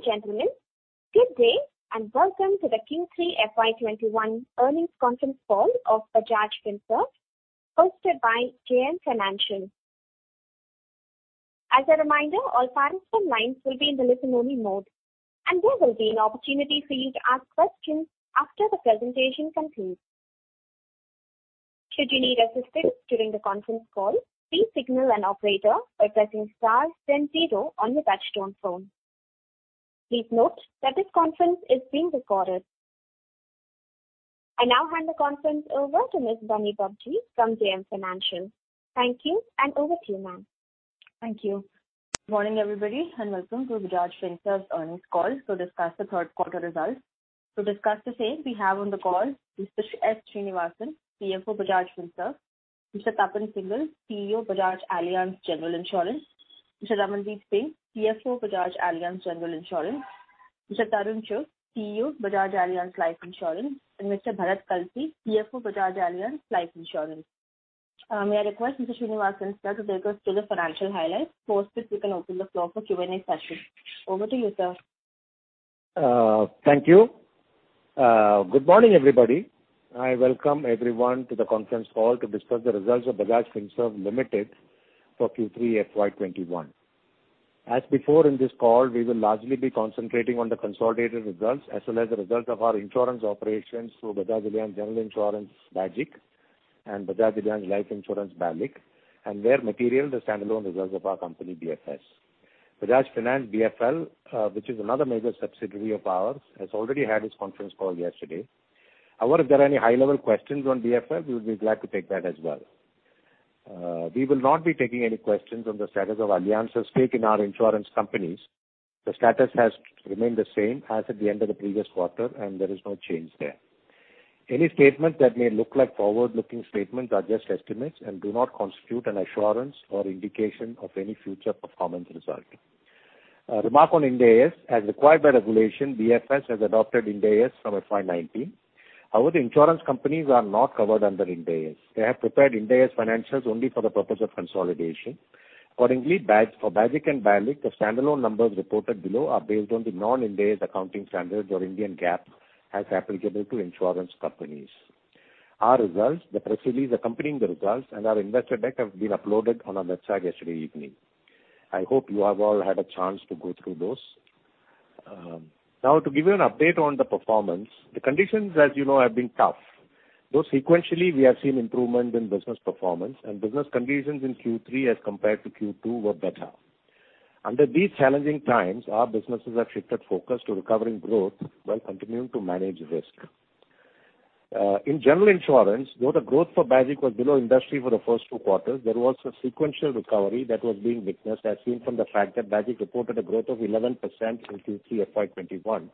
Ladies and gentlemen, good day, and welcome to the Q3 FY 2021 Earnings Conference Call of Bajaj Finserv, hosted by JM Financial. As a reminder, all participants' lines will be in the listen-only mode, and there will be an opportunity for you to ask questions after the presentation concludes. Should you need assistance during the conference call, please signal an operator by pressing star then zero on your touch-tone phone. Please note that this conference is being recorded. I now hand the conference over to Ms. Bunny Babjee from JM Financial. Thank you, and over to you, ma'am. Thank you. Morning, everybody, and welcome to Bajaj Finserv's earnings call to discuss the Q3 results. To discuss the same, we have on the call Mr. S. Sreenivasan, CFO, Bajaj Finserv, Mr. Tapan Singhel, CEO, Bajaj Allianz General Insurance, Mr. Ramanpreet Singh, CFO, Bajaj Allianz General Insurance, Mr. Tarun Chugh, CEO, Bajaj Allianz Life Insurance, and Mr. Bharat Kalsi, CFO, Bajaj Allianz Life Insurance. May I request Mr. Sreenivasan, sir, to take us through the financial highlights. Post this, we can open the floor for Q&A session. Over to you, sir. Thank you. Good morning, everybody. I welcome everyone to the conference call to discuss the results of Bajaj Finserv Limited for Q3 FY 2021. As before, in this call, we will largely be concentrating on the consolidated results as well as the results of our insurance operations through Bajaj Allianz General Insurance, BAGIC, and Bajaj Allianz Life Insurance, BALIC, and where material, the standalone results of our company, BFS. Bajaj Finance, BFL, which is another major subsidiary of ours, has already had its conference call yesterday. However, if there are any high-level questions on BFL, we would be glad to take that as well. We will not be taking any questions on the status of Allianz's stake in our insurance companies. The status has remained the same as at the end of the previous quarter, and there is no change there. Any statement that may look like forward-looking statements are just estimates and do not constitute an assurance or indication of any future performance result. A remark on Ind AS. As required by regulation, BFS has adopted Ind AS from FY 2019. However, the insurance companies are not covered under Ind AS. They have prepared Ind AS financials only for the purpose of consolidation. Accordingly, for BAGIC and BALIC, the standalone numbers reported below are based on the non-Ind AS accounting standards or Indian GAAP as applicable to insurance companies. Our results, the press release accompanying the results, and our investor deck have been uploaded on our website yesterday evening. I hope you have all had a chance to go through those. To give you an update on the performance, the conditions, as you know, have been tough, though sequentially, we have seen improvement in business performance and business conditions in Q3 as compared to Q2 were better. Under these challenging times, our businesses have shifted focus to recovering growth while continuing to manage risk. In general insurance, though the growth for BAGIC was below industry for the first two quarters, there was a sequential recovery that was being witnessed as seen from the fact that BAGIC reported a growth of 11% in Q3 FY 2021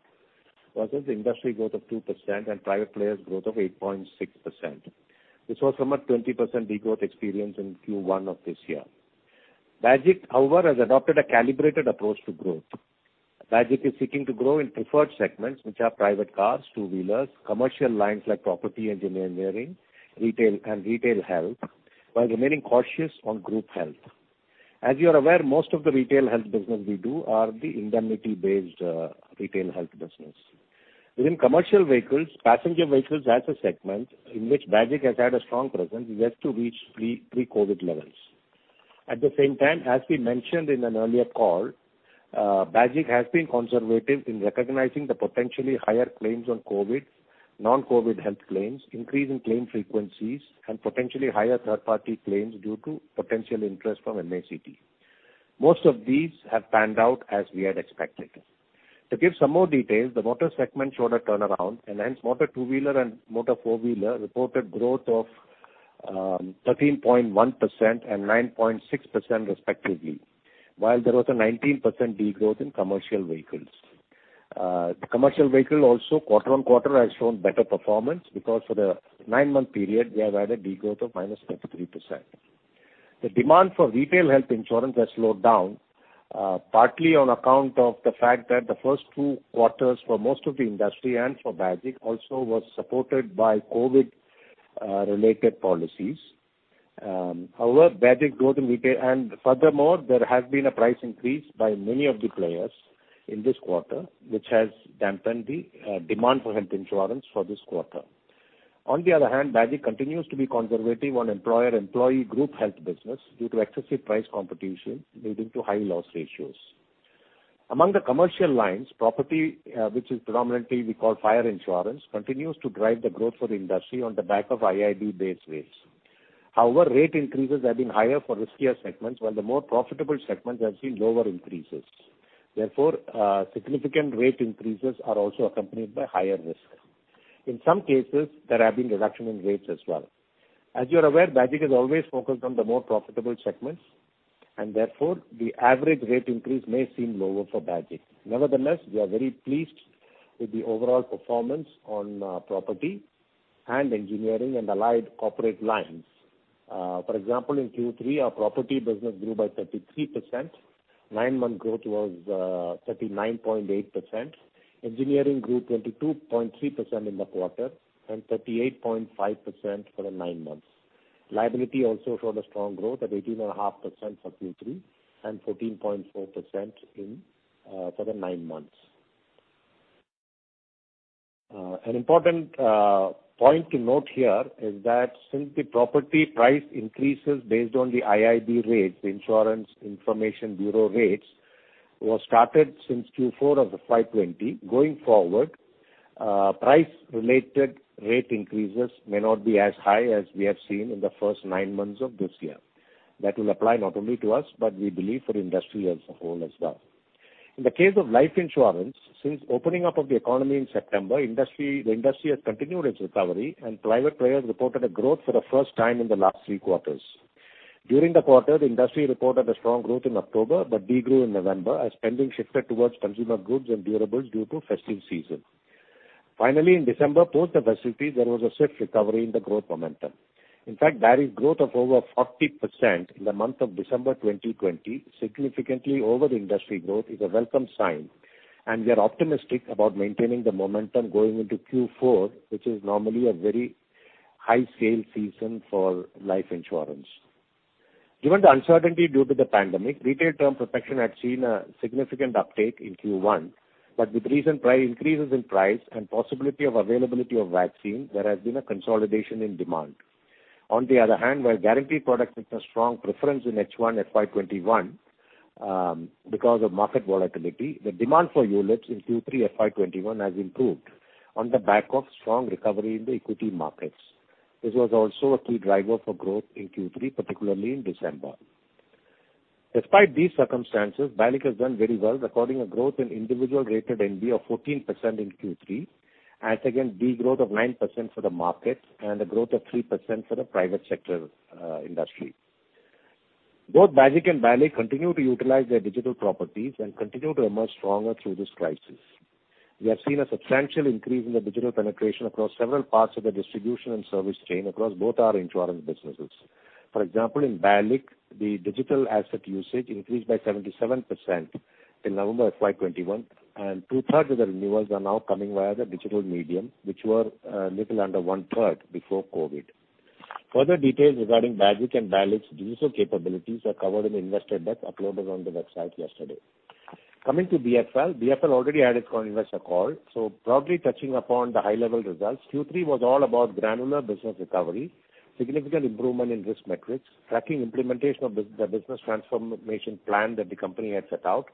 versus the industry growth of 2% and private players' growth of 8.6%. This was from a 20% degrowth experience in Q1 of this year. BAGIC, however, has adopted a calibrated approach to growth. BAGIC is seeking to grow in preferred segments, which are private cars, 2-wheelers, commercial lines like property and engineering, and retail health, while remaining cautious on group health. As you are aware, most of the retail health business we do are the indemnity-based retail health business. Within commercial vehicles, passenger vehicles as a segment in which BAGIC has had a strong presence is yet to reach pre-COVID levels. At the same time, as we mentioned in an earlier call, BAGIC has been conservative in recognizing the potentially higher claims on COVID, non-COVID health claims, increase in claim frequencies, and potentially higher third-party claims due to potential interest from MACT. Most of these have panned out as we had expected. To give some more details, the motor segment showed a turnaround, and hence motor 2-wheeler and motor 4-wheeler reported growth of 13.1% and 9.6% respectively. While there was a 19% degrowth in commercial vehicles. The commercial vehicle also quarter-on-quarter has shown better performance because for the nine-month period, we have had a degrowth of -3%. The demand for retail health insurance has slowed down, partly on account of the fact that the first two quarters for most of the industry and for BAGIC also was supported by COVID-related policies. However, BAGIC growth in retail and furthermore, there has been a price increase by many of the players in this quarter, which has dampened the demand for health insurance for this quarter. On the other hand, BAGIC continues to be conservative on employer-employee group health business due to excessive price competition leading to high loss ratios. Among the commercial lines, property, which is predominantly we call fire insurance, continues to drive the growth for the industry on the back of IIB-based rates. However, rate increases have been higher for riskier segments while the more profitable segments have seen lower increases. Therefore, significant rate increases are also accompanied by higher risk. In some cases, there have been reduction in rates as well. As you're aware, BAGIC has always focused on the more profitable segments, and therefore, the average rate increase may seem lower for BAGIC. Nevertheless, we are very pleased with the overall performance on property and engineering and allied corporate lines. For example, in Q3, our property business grew by 33%. 9-month growth was 39.8%. Engineering grew 22.3% in the quarter and 38.5% for the nine months. Liability also showed a strong growth at 18.5% for Q3 and 14.4% for the 9 months. An important point to note here is that since the property price increases based on the IIB rates, the Insurance Information Bureau rates, was started since Q4 of the 5/20. Going forward, price-related rate increases may not be as high as we have seen in the first nine months of this year. That will apply not only to us, but we believe for industry as a whole as well. In the case of life insurance, since opening up of the economy in September, the industry has continued its recovery and private players reported a growth for the first time in the last three quarters. During the quarter, the industry reported a strong growth in October but de-grew in November as spending shifted towards consumer goods and durables due to festive season. Finally, in December, post the festivities, there was a swift recovery in the growth momentum. BAGIC's growth of over 40% in the month of December 2020, significantly over the industry growth, is a welcome sign, and we are optimistic about maintaining the momentum going into Q4, which is normally a very high sale season for life insurance. With recent increases in price and possibility of availability of vaccine, there has been a consolidation in demand. Where guarantee products took a strong preference in H1 FY 2021 because of market volatility, the demand for ULIPs in Q3 FY 2021 has improved on the back of strong recovery in the equity markets. This was also a key driver for growth in Q3, particularly in December. Despite these circumstances, BAGIC has done very well, recording a growth in individual rated NB of 14% in Q3, as against de-growth of 9% for the market and a growth of 3% for the private sector industry. Both BAGIC and BALIC continue to utilize their digital properties and continue to emerge stronger through this crisis. We have seen a substantial increase in the digital penetration across several parts of the distribution and service chain across both our insurance businesses. For example, in BALIC, the digital asset usage increased by 77% in November of FY 2021, and two-thirds of the renewals are now coming via the digital medium, which were a little under one-third before COVID. Further details regarding BAGIC and BALIC's digital capabilities are covered in the investor deck uploaded on the website yesterday. Coming to BFL. BFL already had its investor call. Broadly touching upon the high-level results, Q3 was all about granular business recovery, significant improvement in risk metrics, tracking implementation of the business transformation plan that the company had set out,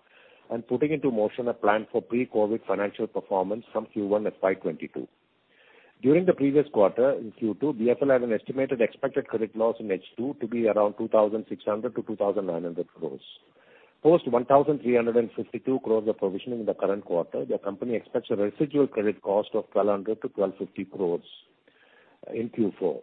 and putting into motion a plan for pre-COVID financial performance from Q1 FY 2022. During the previous quarter, in Q2, BFL had an estimated expected credit loss in H2 to be around 2,600 crore-2,900 crore rupees. Post 1,352 crore rupees of provisioning in the current quarter, the company expects a residual credit cost of 1,200 crore-1,250 crore rupees in Q4.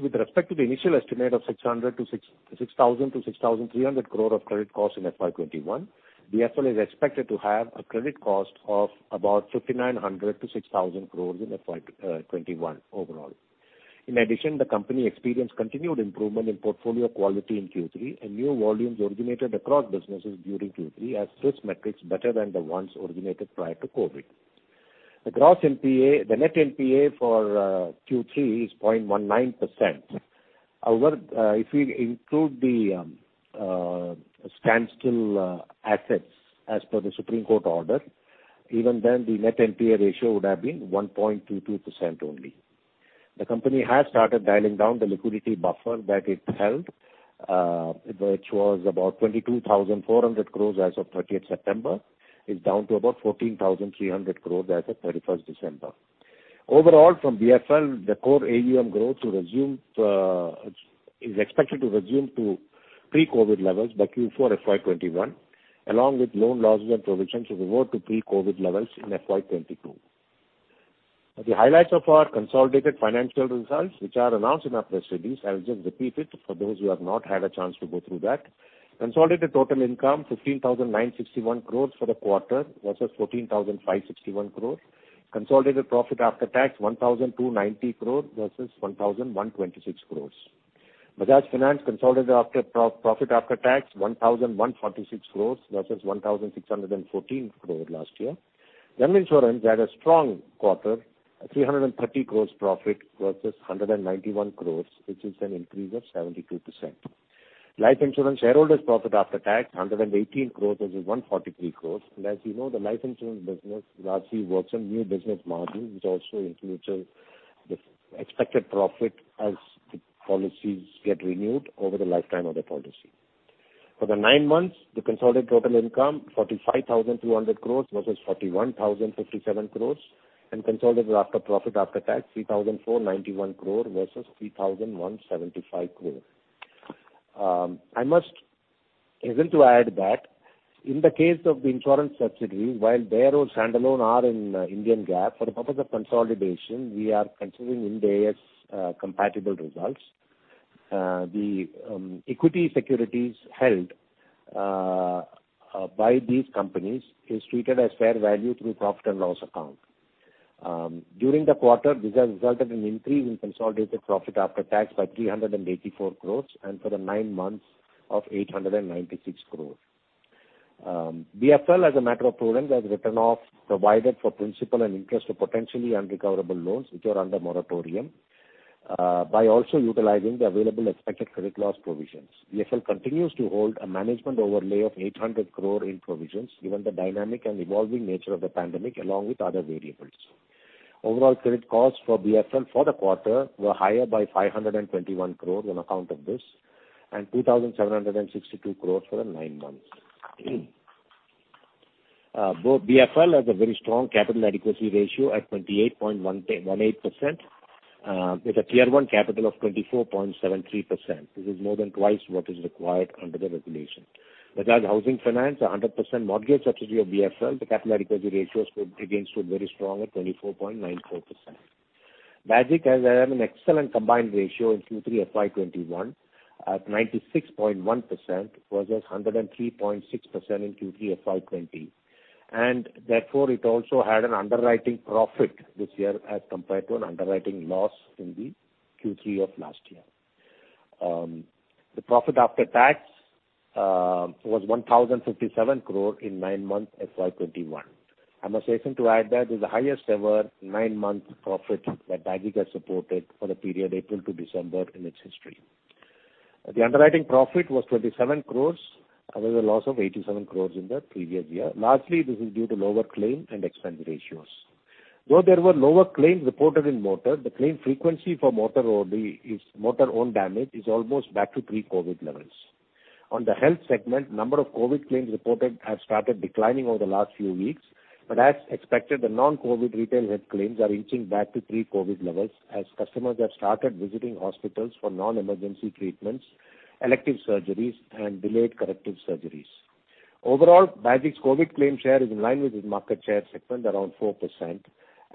With respect to the initial estimate of 6,000 crore-6,300 crore rupees of credit cost in FY 2021, BFL is expected to have a credit cost of about 5,900 crore-6,000 crore in FY 2021 overall. The company experienced continued improvement in portfolio quality in Q3 and new volumes originated across businesses during Q3 have risk metrics better than the ones originated prior to COVID. The net NPA for Q3 is 0.19%. If we include the standstill assets as per the Supreme Court order, even then the net NPA ratio would have been 1.22% only. The company has started dialing down the liquidity buffer that it held, which was about 22,400 crore as of 30th September. It's down to about 14,300 crore as of 31st December. From BFL, the core AUM growth is expected to resume to pre-COVID levels by Q4 FY 2021, along with loan losses and provisions to revert to pre-COVID levels in FY 2022. The highlights of our consolidated financial results, which are announced in our press release, I'll just repeat it for those who have not had a chance to go through that. Consolidated total income 15,961 crores for the quarter versus 14,561 crores. Consolidated profit after tax, 1,290 crores versus 1,126 crores. Bajaj Finance consolidated profit after tax, 1,146 crores versus 1,614 crore last year. General Insurance had a strong quarter, a 330 crores profit versus 191 crores, which is an increase of 72%. Life Insurance shareholders' profit after tax, 118 crores versus 143 crores. As you know, the life insurance business largely works on new business margin, which also includes the expected profit as the policies get renewed over the lifetime of the policy. For the nine months, the consolidated total income, 45,200 crores versus 41,057 crores, and consolidated profit after tax, 3,491 crore versus 3,175 crore. I'm hastening to add that in the case of the insurance subsidiaries, while they are all standalone are in Indian GAAP, for the purpose of consolidation, we are considering Ind AS compatible results. The equity securities held by these companies is treated as fair value through profit and loss account. During the quarter, this has resulted in increase in consolidated profit after tax by 384 crore, and for the nine months of 896 crore. BFL, as a matter of prudence, has written off, provided for principal and interest to potentially unrecoverable loans which are under moratorium, by also utilizing the available expected credit loss provisions. BFL continues to hold a management overlay of 800 crore in provisions, given the dynamic and evolving nature of the pandemic, along with other variables. Overall credit costs for BFL for the quarter were higher by 521 crore on account of this, and 2,762 crore for the nine months. BFL has a very strong capital adequacy ratio at 28.18%, with a T1 capital of 24.73%. This is more than twice what is required under the regulation. Bajaj Housing Finance, a 100% mortgage subsidiary of BFL, the capital adequacy ratios again stood very strong at 24.94%. BAGIC has an excellent combined ratio in Q3 FY 2021 at 96.1% versus 103.6% in Q3 FY 2020, and therefore it also had an underwriting profit this year as compared to an underwriting loss in the Q3 of last year. The profit after tax was INR 1,057 crore in nine-month FY 2021. I'm hastening to add that it's the highest ever nine-month profit that BAGIC has reported for the period April to December in its history. The underwriting profit was 27 crore, however, a loss of 87 crore in the previous year. Lastly, this is due to lower claim and expense ratios. Though there were lower claims reported in motor, the claim frequency for motor own damage is almost back to pre-COVID levels. On the health segment, number of COVID claims reported have started declining over the last few weeks. As expected, the non-COVID retail health claims are inching back to pre-COVID levels as customers have started visiting hospitals for non-emergency treatments, elective surgeries, and delayed corrective surgeries. Overall, BAGIC's COVID claim share is in line with its market share segment around 4%.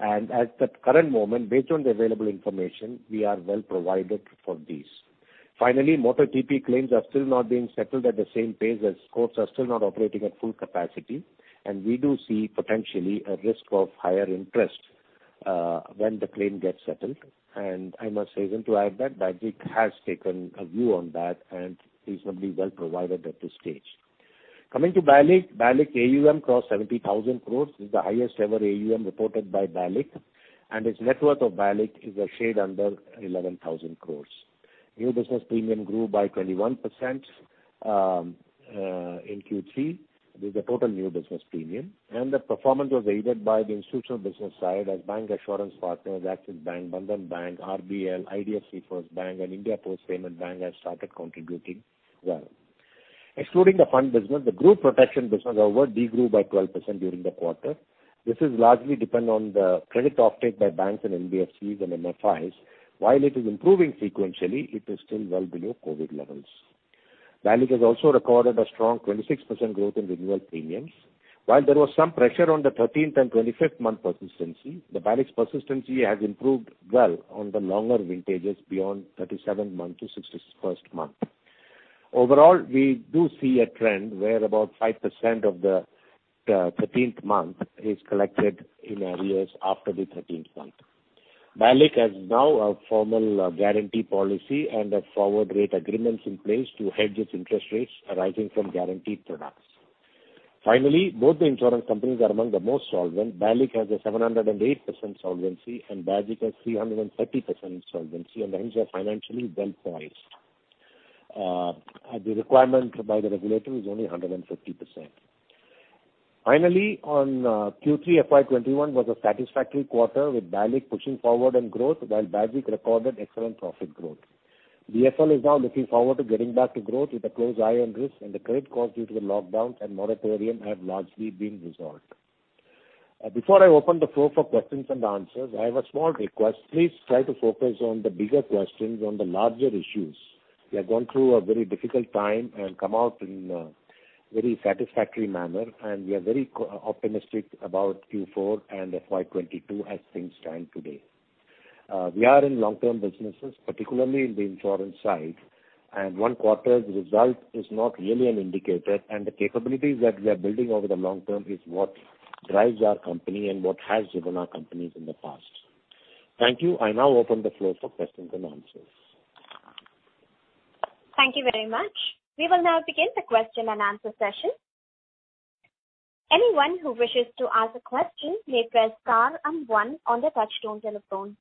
At the current moment, based on the available information, we are well provided for these. Finally, motor TP claims are still not being settled at the same pace as courts are still not operating at full capacity, and we do see potentially a risk of higher interest when the claim gets settled. I must hasten to add that BAGIC has taken a view on that and is reasonably well provided at this stage. Coming to BALIC. BALIC AUM crossed 70,000 crore. This is the highest ever AUM reported by BALIC, and its net worth of BALIC is a shade under 11,000 crore. New business premium grew by 21% in Q3. This is the total new business premium. The performance was aided by the institutional business side as bancassurance partners Axis Bank, Bandhan Bank, RBL, IDFC FIRST Bank, and India Post Payments Bank have started contributing well. Excluding the fund business, the group protection business, however, de-grew by 12% during the quarter. This is largely dependent on the credit off-take by banks and NBFCs and MFIs. While it is improving sequentially, it is still well below COVID levels. BALIC has also recorded a strong 26% growth in renewal premiums. While there was some pressure on the 13th and 25th month persistency, BALIC's persistency has improved well on the longer vintages beyond 37th month to 61st month. Overall, we do see a trend where about 5% of the 13th month is collected in arrears after the 13th month. BALIC has now a formal guarantee policy and a forward rate agreements in place to hedge its interest rates arising from guaranteed products. Finally, both the insurance companies are among the most solvent. BALIC has a 708% solvency, and BAGIC has 330% solvency, and hence are financially well poised. The requirement by the regulator is only 150%. Finally, on Q3 FY 2021 was a satisfactory quarter with BALIC pushing forward on growth while BAGIC recorded excellent profit growth. BFL is now looking forward to getting back to growth with a close eye on risk and the credit cost due to the lockdowns and moratorium have largely been resolved. Before I open the floor for questions and answers, I have a small request. Please try to focus on the bigger questions on the larger issues. We have gone through a very difficult time and come out in a very satisfactory manner. We are very optimistic about Q4 and FY 2022 as things stand today. We are in long-term businesses, particularly in the insurance side. One quarter's result is not really an indicator. The capabilities that we are building over the long term is what drives our company and what has driven our companies in the past. Thank you. I now open the floor for questions and answers. Thank you very much. We will now begin the question and answer session. Anyone who wishes to ask a question may press star and one on the touchtone telephone.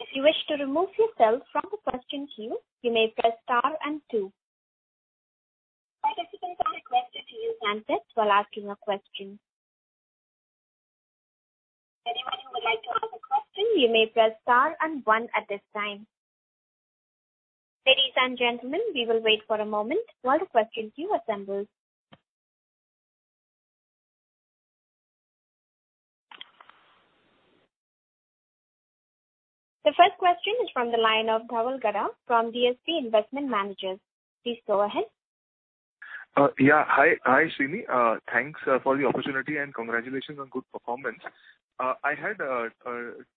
If you wish to remove yourself from the question queue, you may press star and two. Participants are requested to use handset while asking a question. Anybody who would like to ask a question, you may press star and one at this time. Ladies and gentlemen, we will wait for a moment while the question queue assembles. The first question is from the line of Dhaval Gada from DSP Investment Managers. Please go ahead. Hi, Sreeni. Thanks for the opportunity and congratulations on good performance. I had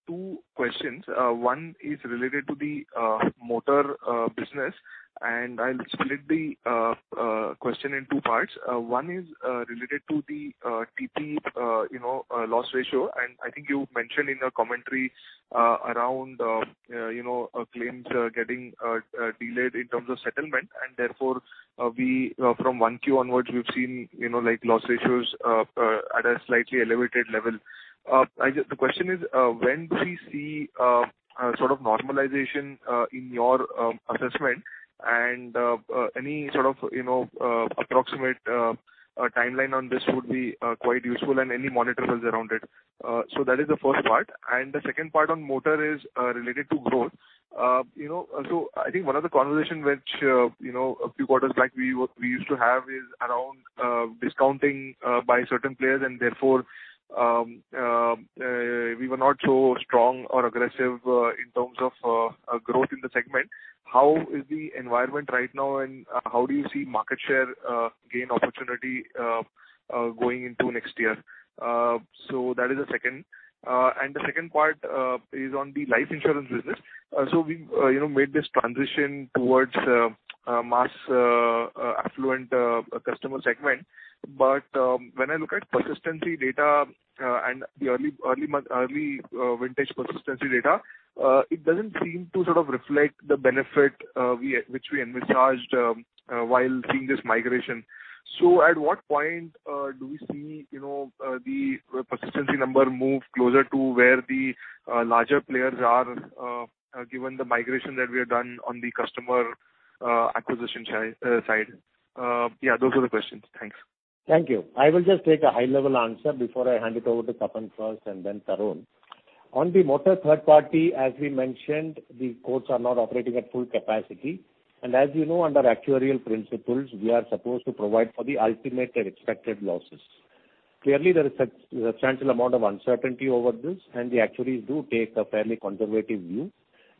two questions. One is related to the motor business, and I'll split the question in two parts. One is related to the TP loss ratio, and I think you mentioned in your commentary around claims getting delayed in terms of settlement, and therefore from 1 Q onwards, we've seen loss ratios at a slightly elevated level. The question is, when do we see a sort of normalization in your assessment and any sort of approximate timeline on this would be quite useful and any monitor results around it. That is the first part. The second part on motor is related to growth. I think one of the conversations which a few quarters back we used to have is around discounting by certain players, and therefore we were not so strong or aggressive in terms of growth in the segment. How is the environment right now, and how do you see market share gain opportunity going into next year? That is the second. The second part is on the life insurance business. We've made this transition towards mass affluent customer segment. When I look at persistency data and the early vintage persistency data, it doesn't seem to sort of reflect the benefit which we envisaged while seeing this migration. At what point do we see the persistency number move closer to where the larger players are, given the migration that we have done on the customer acquisition side? Those are the questions. Thanks. Thank you. I will just take a high-level answer before I hand it over to Tapan first and then Tarun. On the motor third party, as we mentioned, the courts are not operating at full capacity. As you know, under actuarial principles, we are supposed to provide for the ultimate and expected losses. Clearly, there is a substantial amount of uncertainty over this, and the actuaries do take a fairly conservative view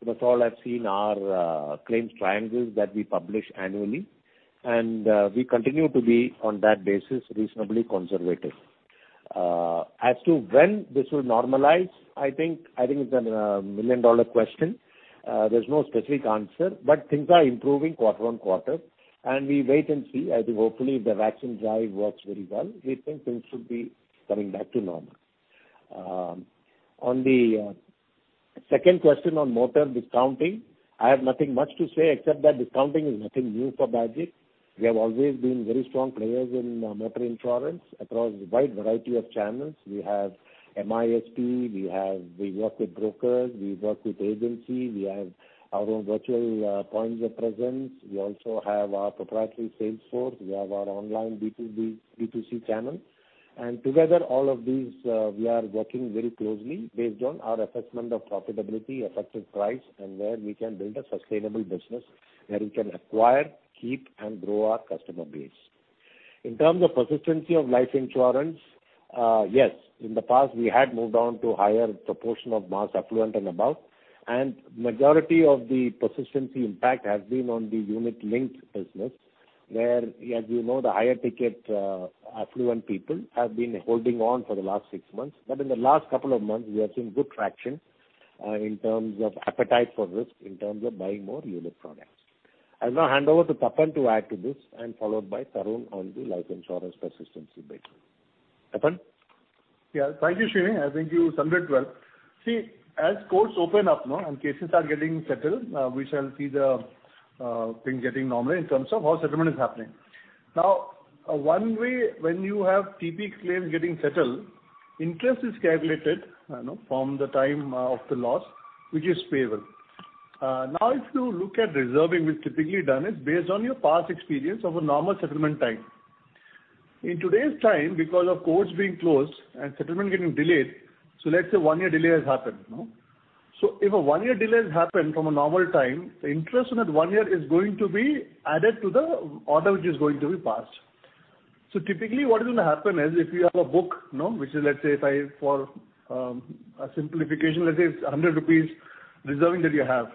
because all have seen our claims triangles that we publish annually. We continue to be, on that basis, reasonably conservative. As to when this will normalize, I think it's a million-dollar question. There's no specific answer. Things are improving quarter on quarter, and we wait and see. I think hopefully if the vaccine drive works very well, we think things should be coming back to normal. On the second question on motor discounting, I have nothing much to say except that discounting is nothing new for Bajaj. We have always been very strong players in motor insurance across a wide variety of channels. We have MISP, we work with brokers, we work with agencies, we have our own virtual points of presence. We also have our proprietary sales force. We have our online B2B, B2C channels. Together, all of these we are working very closely based on our assessment of profitability, effective price, and where we can build a sustainable business where we can acquire, keep, and grow our customer base. In terms of persistency of life insurance, yes, in the past we had moved on to higher proportion of mass affluent and above, and majority of the persistency impact has been on the unit-linked business where, as you know, the higher ticket affluent people have been holding on for the last six months. In the last couple of months, we are seeing good traction in terms of appetite for risk, in terms of buying more unit products. I'll now hand over to Tapan to add to this and followed by Tarun on the life insurance persistency basis. Tapan? Yeah. Thank you, Sreeni. I think you summed it well. As courts open up and cases are getting settled, we shall see the things getting normal in terms of how settlement is happening. One way when you have TP claims getting settled, interest is calculated from the time of the loss, which is payable. If you look at reserving, which typically done is based on your past experience of a normal settlement time. In today's time, because of courts being closed and settlement getting delayed, let's say one year delay has happened. If a one-year delay has happened from a normal time, the interest on that one year is going to be added to the order which is going to be passed. Typically, what is going to happen is if you have a book, which is, let's say, for a simplification, let's say it's 100 rupees reserving that you have.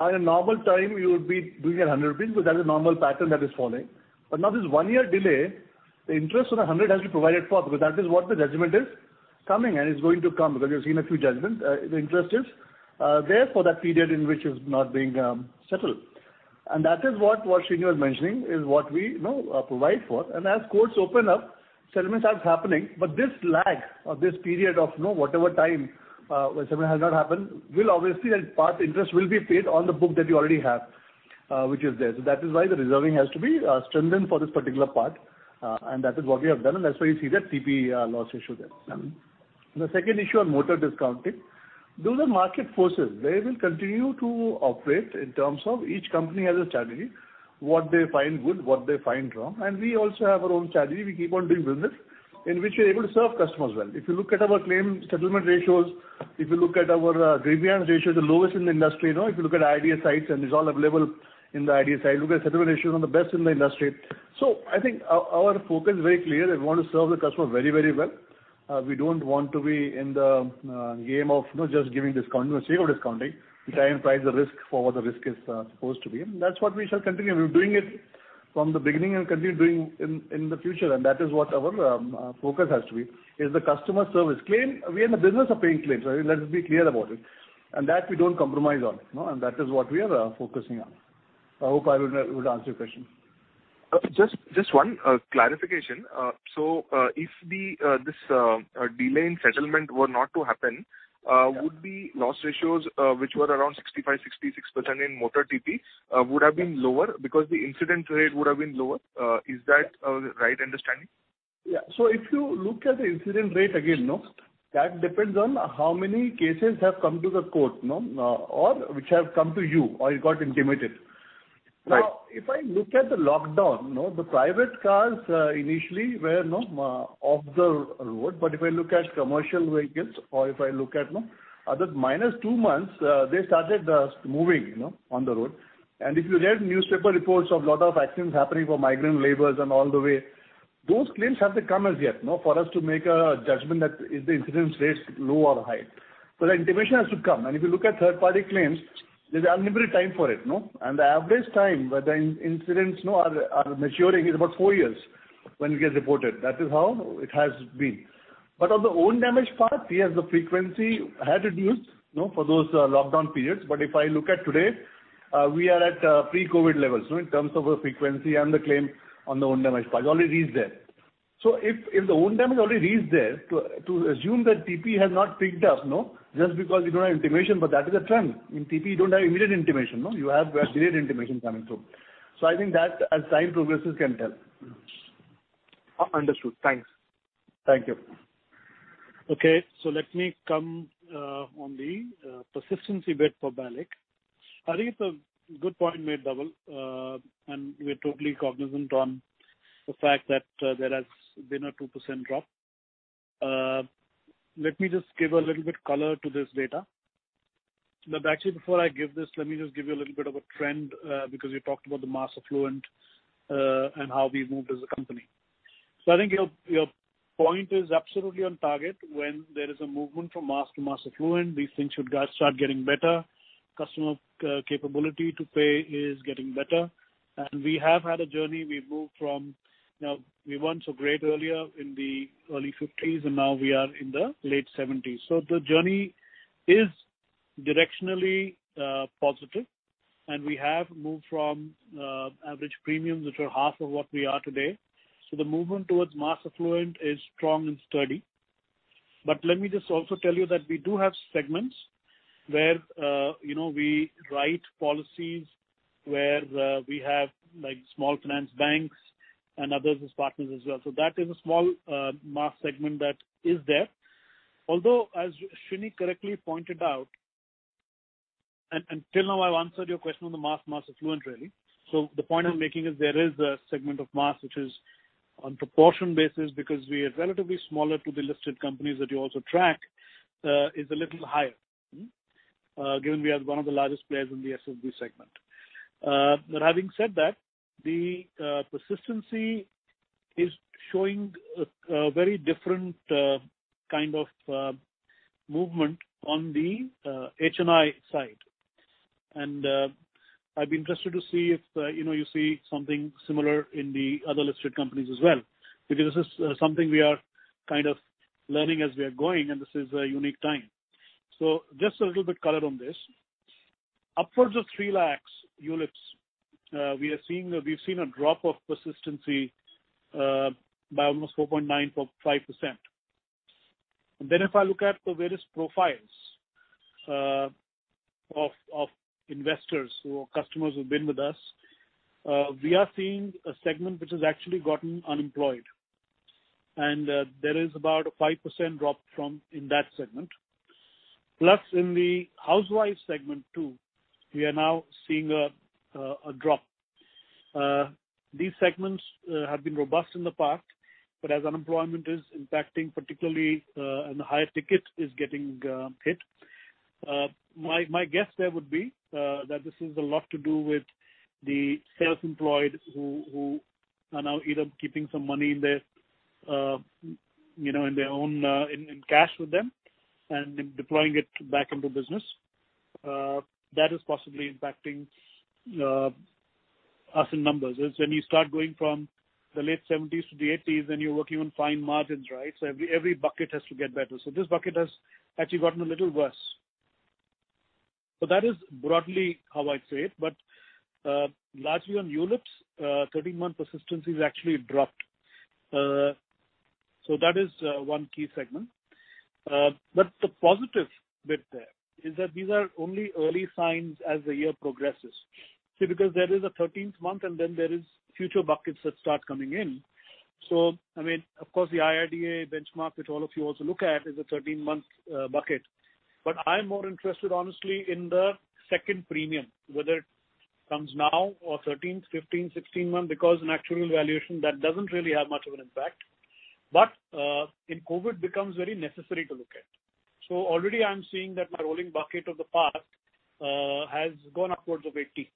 In a normal time, you would be doing 100 rupees because that is a normal pattern that is falling. Now this one-year delay, the interest on the 100 has to be provided for because that is what the judgment is coming and it's going to come because you've seen a few judgments. The interest is there for that period in which is not being settled. That is what Sreeni was mentioning is what we provide for. As courts open up, settlements are happening. This lag or this period of whatever time where settlement has not happened will obviously that past interest will be paid on the book that you already have which is there. That is why the reserving has to be strengthened for this particular part. That is what we have done, and that's why you see that TP loss ratio there. The second issue on motor discounting, those are market forces. They will continue to operate in terms of each company has a strategy, what they find good, what they find wrong, and we also have our own strategy. We keep on doing business in which we're able to serve customers well. If you look at our claim settlement ratios, if you look at our grievance ratio, the lowest in the industry. If you look at IRDAI sites, and it's all available in the IRDAI site, look at settlement ratios on the best in the industry. I think our focus is very clear that we want to serve the customer very, very well. We don't want to be in the game of just giving discount or zero discounting. We try and price the risk for what the risk is supposed to be, and that's what we shall continue. We're doing it from the beginning and continue doing in the future, and that is what our focus has to be, is the customer service. We are in the business of paying claims. Let's be clear about it. That we don't compromise on, and that is what we are focusing on. I hope I would answer your question. Just one clarification. If this delay in settlement were not to happen, would the loss ratios which were around 65, 66% in motor TP would have been lower because the incident rate would have been lower? Is that a right understanding? Yeah. If you look at the incidence rate again, that depends on how many cases have come to the court or which have come to you or you got intimated. If I look at the lockdown, the private cars initially were off the road. If I look at commercial vehicles or if I look at other motor two-wheelers, they started moving on the road. If you read newspaper reports of lot of accidents happening for migrant laborers and all the way, those claims have to come as yet for us to make a judgment that is the incidence rate low or high. The intimation has to come. If you look at third-party claims, there's unlimited time for it. The average time where the incidents are maturing is about four years when it gets reported. That is how it has been. On the own damage part, yes, the frequency had reduced for those lockdown periods. If I look at today, we are at pre-COVID levels in terms of the frequency and the claim on the own damage part already is there. If the own damage already is there, to assume that TP has not picked up just because you don't have intimation, that is a trend. In TP, you don't have immediate intimation. You have delayed intimation coming through. I think that as time progresses, can tell. Understood. Thanks. Thank you. Okay, let me come on the persistency bit for BALIC. I think it's a good point made, Dhaval. We're totally cognizant on the fact that there has been a 2% drop. Let me just give a little bit color to this data. Actually before I give this, let me just give you a little bit of a trend because you talked about the mass affluent and how we've moved as a company. I think your point is absolutely on target. When there is a movement from mass to mass affluent, these things should start getting better. Customer capability to pay is getting better. We have had a journey. We weren't so great earlier in the early fifties, and now we are in the late seventies. The journey is directionally positive, and we have moved from average premiums, which are half of what we are today. The movement towards mass affluent is strong and sturdy. Let me just also tell you that we do have segments where we write policies where we have small finance banks and others as partners as well. That is a small mass segment that is there. Although as Sreeni correctly pointed out, and till now I've answered your question on the mass affluent, really. The point I'm making is there is a segment of mass which is on proportion basis because we are relatively smaller to the listed companies that you also track is a little higher, given we are one of the largest players in the SFB segment. Having said that, the persistency is showing a very different kind of movement on the HNI side. I'd be interested to see if you see something similar in the other listed companies as well, because this is something we are kind of learning as we are going and this is a unique time. Just a little bit color on this. Upwards of three lakh ULIPs we've seen a drop of persistency by almost 4.95%. If I look at the various profiles of investors who are customers who've been with us, we are seeing a segment which has actually gotten unemployed, and there is about a 5% drop in that segment. In the housewife segment too, we are now seeing a drop. These segments have been robust in the past, but as unemployment is impacting particularly and the higher ticket is getting hit, my guess there would be that this is a lot to do with the self-employed who are now either keeping some money in cash with them and deploying it back into business. That is possibly impacting us in numbers. When you start going from the late 70s to the 80s, then you're working on fine margins, right? Every bucket has to get better. This bucket has actually gotten a little worse. That is broadly how I'd say it, but largely on ULIPs, 13-month persistency has actually dropped. That is one key segment. The positive bit there is that these are only early signs as the year progresses. See, because there is a thirteenth month and then there is future buckets that start coming in. I mean, of course the IRDA benchmark that all of you also look at is a 13-month bucket. I'm more interested honestly in the second premium, whether it comes now or 13th, 15, 16 month, because in actuarial valuation that doesn't really have much of an impact. In COVID becomes very necessary to look at. Already I'm seeing that my rolling bucket of the past has gone upwards of 80.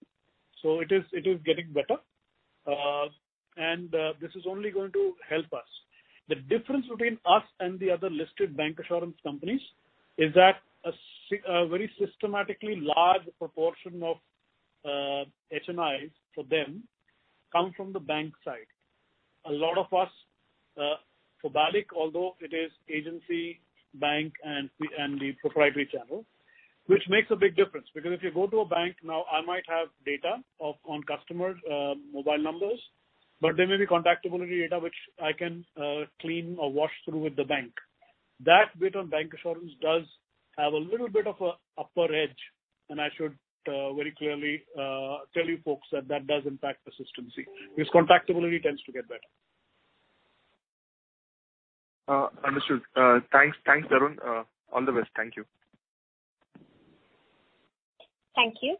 It is getting better. This is only going to help us. The difference between us and the other listed bank insurance companies is that a very systematically large proportion of HNIs for them come from the bank side. A lot of us, for BAGIC although it is agency, bank, and the proprietary channel, which makes a big difference because if you go to a bank now, I might have data on customer mobile numbers, but there may be contactability data which I can clean or wash through with the bank. That bit on bank insurance does have a little bit of an upper edge, and I should very clearly tell you folks that that does impact the system. See, this contactability tends to get better. Understood. Thanks, Tarun. All the best. Thank you. Thank you.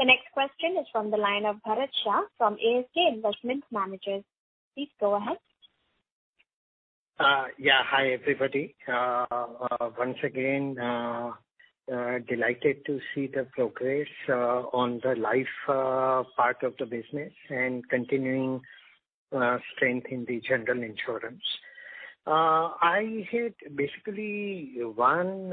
The next question is from the line of Bharat Shah from ASK Investment Managers. Please go ahead. Yeah. Hi, everybody. Once again, delighted to see the progress on the life part of the business and continuing strength in the general insurance. I had basically one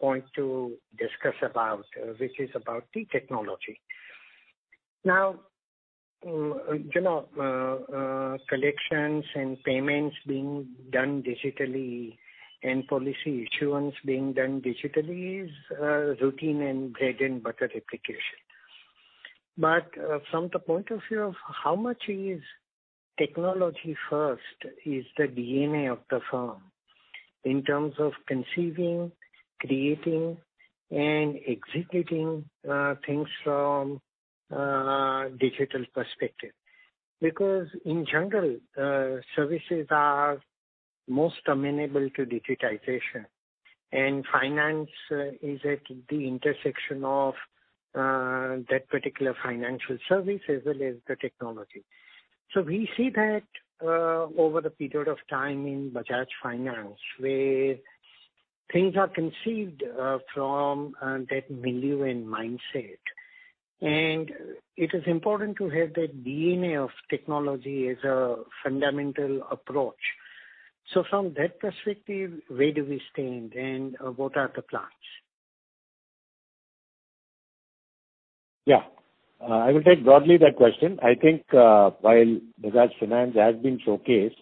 point to discuss about, which is about the technology. Collections and payments being done digitally and policy issuance being done digitally is routine and bread and butter application. From the point of view of how much is technology first is the DNA of the firm in terms of conceiving, creating, and executing things from a digital perspective. In general, services are most amenable to digitization, and finance is at the intersection of that particular financial service as well as the technology. We see that over the period of time in Bajaj Finance, where things are conceived from that milieu and mindset. It is important to have that DNA of technology as a fundamental approach. From that perspective, where do we stand and what are the plans? Yeah. I will take broadly that question. I think while Bajaj Finance has been showcased,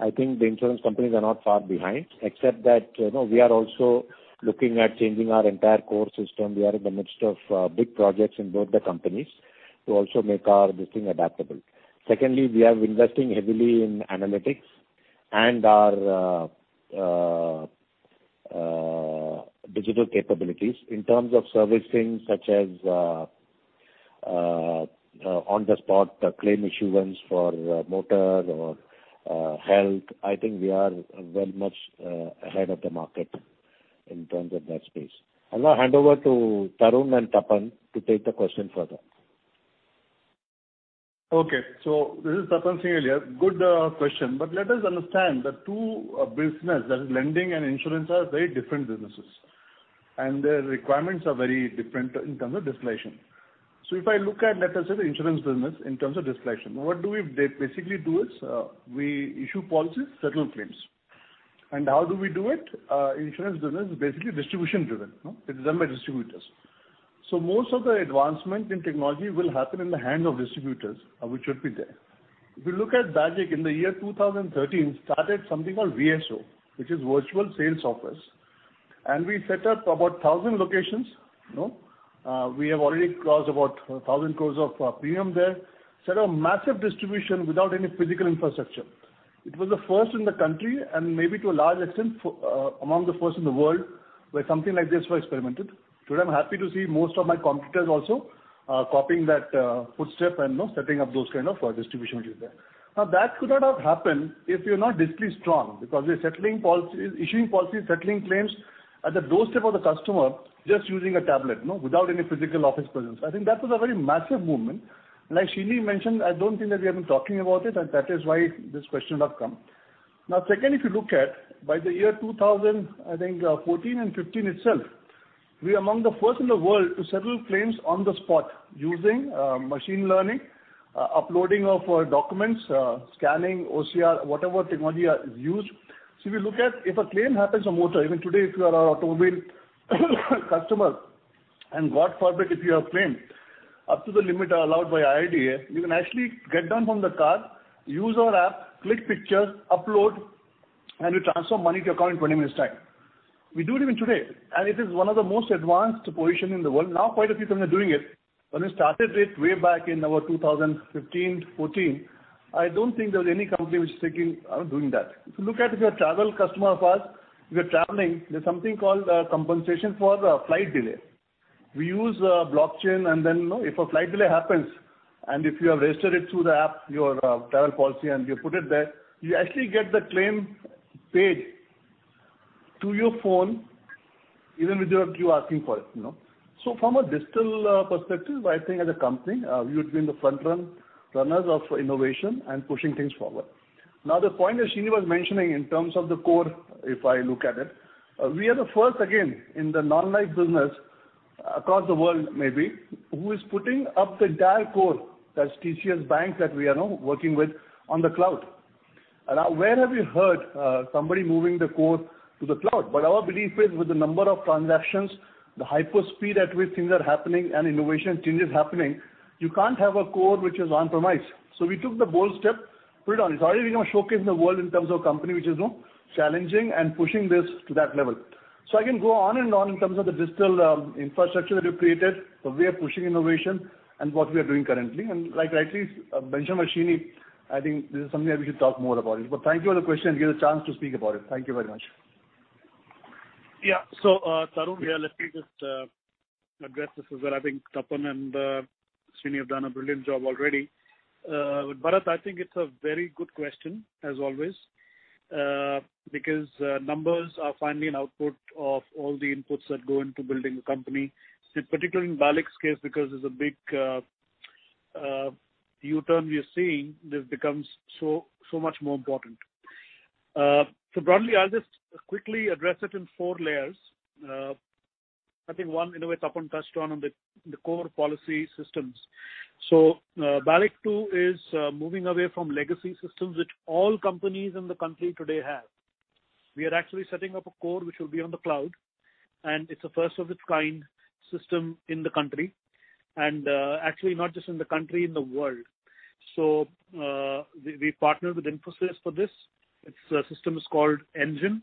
I think the insurance companies are not far behind, except that we are also looking at changing our entire core system. We are in the midst of big projects in both the companies to also make this thing adaptable. Secondly, we are investing heavily in analytics and our digital capabilities in terms of servicing, such as on-the-spot claim issuance for motor or health. I think we are very much ahead of the market in terms of that space. I'll now hand over to Tarun and Tapan to take the question further. This is Tapan Singhel here. Good question, let us understand the two business, that is lending and insurance are very different businesses, and their requirements are very different in terms of discretion. If I look at, let us say, the insurance business in terms of discretion, what we basically do is we issue policies, settle claims. How do we do it? Insurance business is basically distribution-driven. It's done by distributors. Most of the advancement in technology will happen in the hand of distributors, which should be there. If you look at BAGIC in the year 2013, started something called VSO, which is virtual sales office. We set up about 1,000 locations. We have already crossed about 1,000 crore of premium there. Set up massive distribution without any physical infrastructure. It was the first in the country and maybe to a large extent, among the first in the world where something like this was experimented. Today, I'm happy to see most of my competitors also copying that footstep and now setting up those kind of distribution which is there. That could not have happened if you're not digitally strong because we're issuing policies, settling claims at the doorstep of the customer just using a tablet without any physical office presence. I think that was a very massive movement. Like Sreeni mentioned, I don't think that we have been talking about it, and that is why this question has come. Second, if you look at by the year 2000, I think 2014 and 2015 itself, we are among the first in the world to settle claims on the spot using machine learning, uploading of documents, scanning, OCR, whatever technology are used. If you look at if a claim happens on motor, even today if you are our automobile customer, and God forbid, if you have claim up to the limit allowed by IRDAI, you can actually get down from the car, use our app, click pictures, upload, and we transfer money to your account in 20 minutes time. We do it even today, it is one of the most advanced positions in the world. Quite a few companies are doing it. When we started it way back in about 2015 to 2014, I don't think there was any company which was thinking of doing that. If you look at if you're a travel customer of ours, if you're traveling, there's something called compensation for the flight delay. We use blockchain and then if a flight delay happens and if you have registered it through the app, your travel policy and you put it there, you actually get the claim paid to your phone even without you asking for it. From a digital perspective, I think as a company, we've been the front runners of innovation and pushing things forward. The point that Sreeni was mentioning in terms of the core, if I look at it, we are the first again, in the non-life business across the world maybe, who is putting up the entire core that TCS BaNCS that we are now working with on the cloud. Where have you heard somebody moving the core to the cloud? Our belief is with the number of transactions, the hyper speed at which things are happening and innovation change is happening, you can't have a core which is on-premise. We took the bold step, put it on. It's already going to showcase in the world in terms of company, which is now challenging and pushing this to that level. I can go on and on in terms of the digital infrastructure that we've created, the way we're pushing innovation and what we are doing currently. Rightly mentioned by Srini, I think this is something that we should talk more about. Thank you for the question. It gives a chance to speak about it. Thank you very much. Tarun here, let me just address this as well. I think Tapan and Sreeni have done a brilliant job already. I think it's a very good question, as always, because numbers are finally an output of all the inputs that go into building a company. Particularly in BALIC's case, because it's a big U-turn we are seeing, this becomes so much more important. Broadly, I'll just quickly address it in four layers. I think one, in a way, Tapan touched on the core policy systems. BALIC too is moving away from legacy systems, which all companies in the country today have. We are actually setting up a core which will be on the cloud, and it's a first of its kind system in the country. Actually not just in the country, in the world. We partnered with Infosys for this. Its system is called Engine.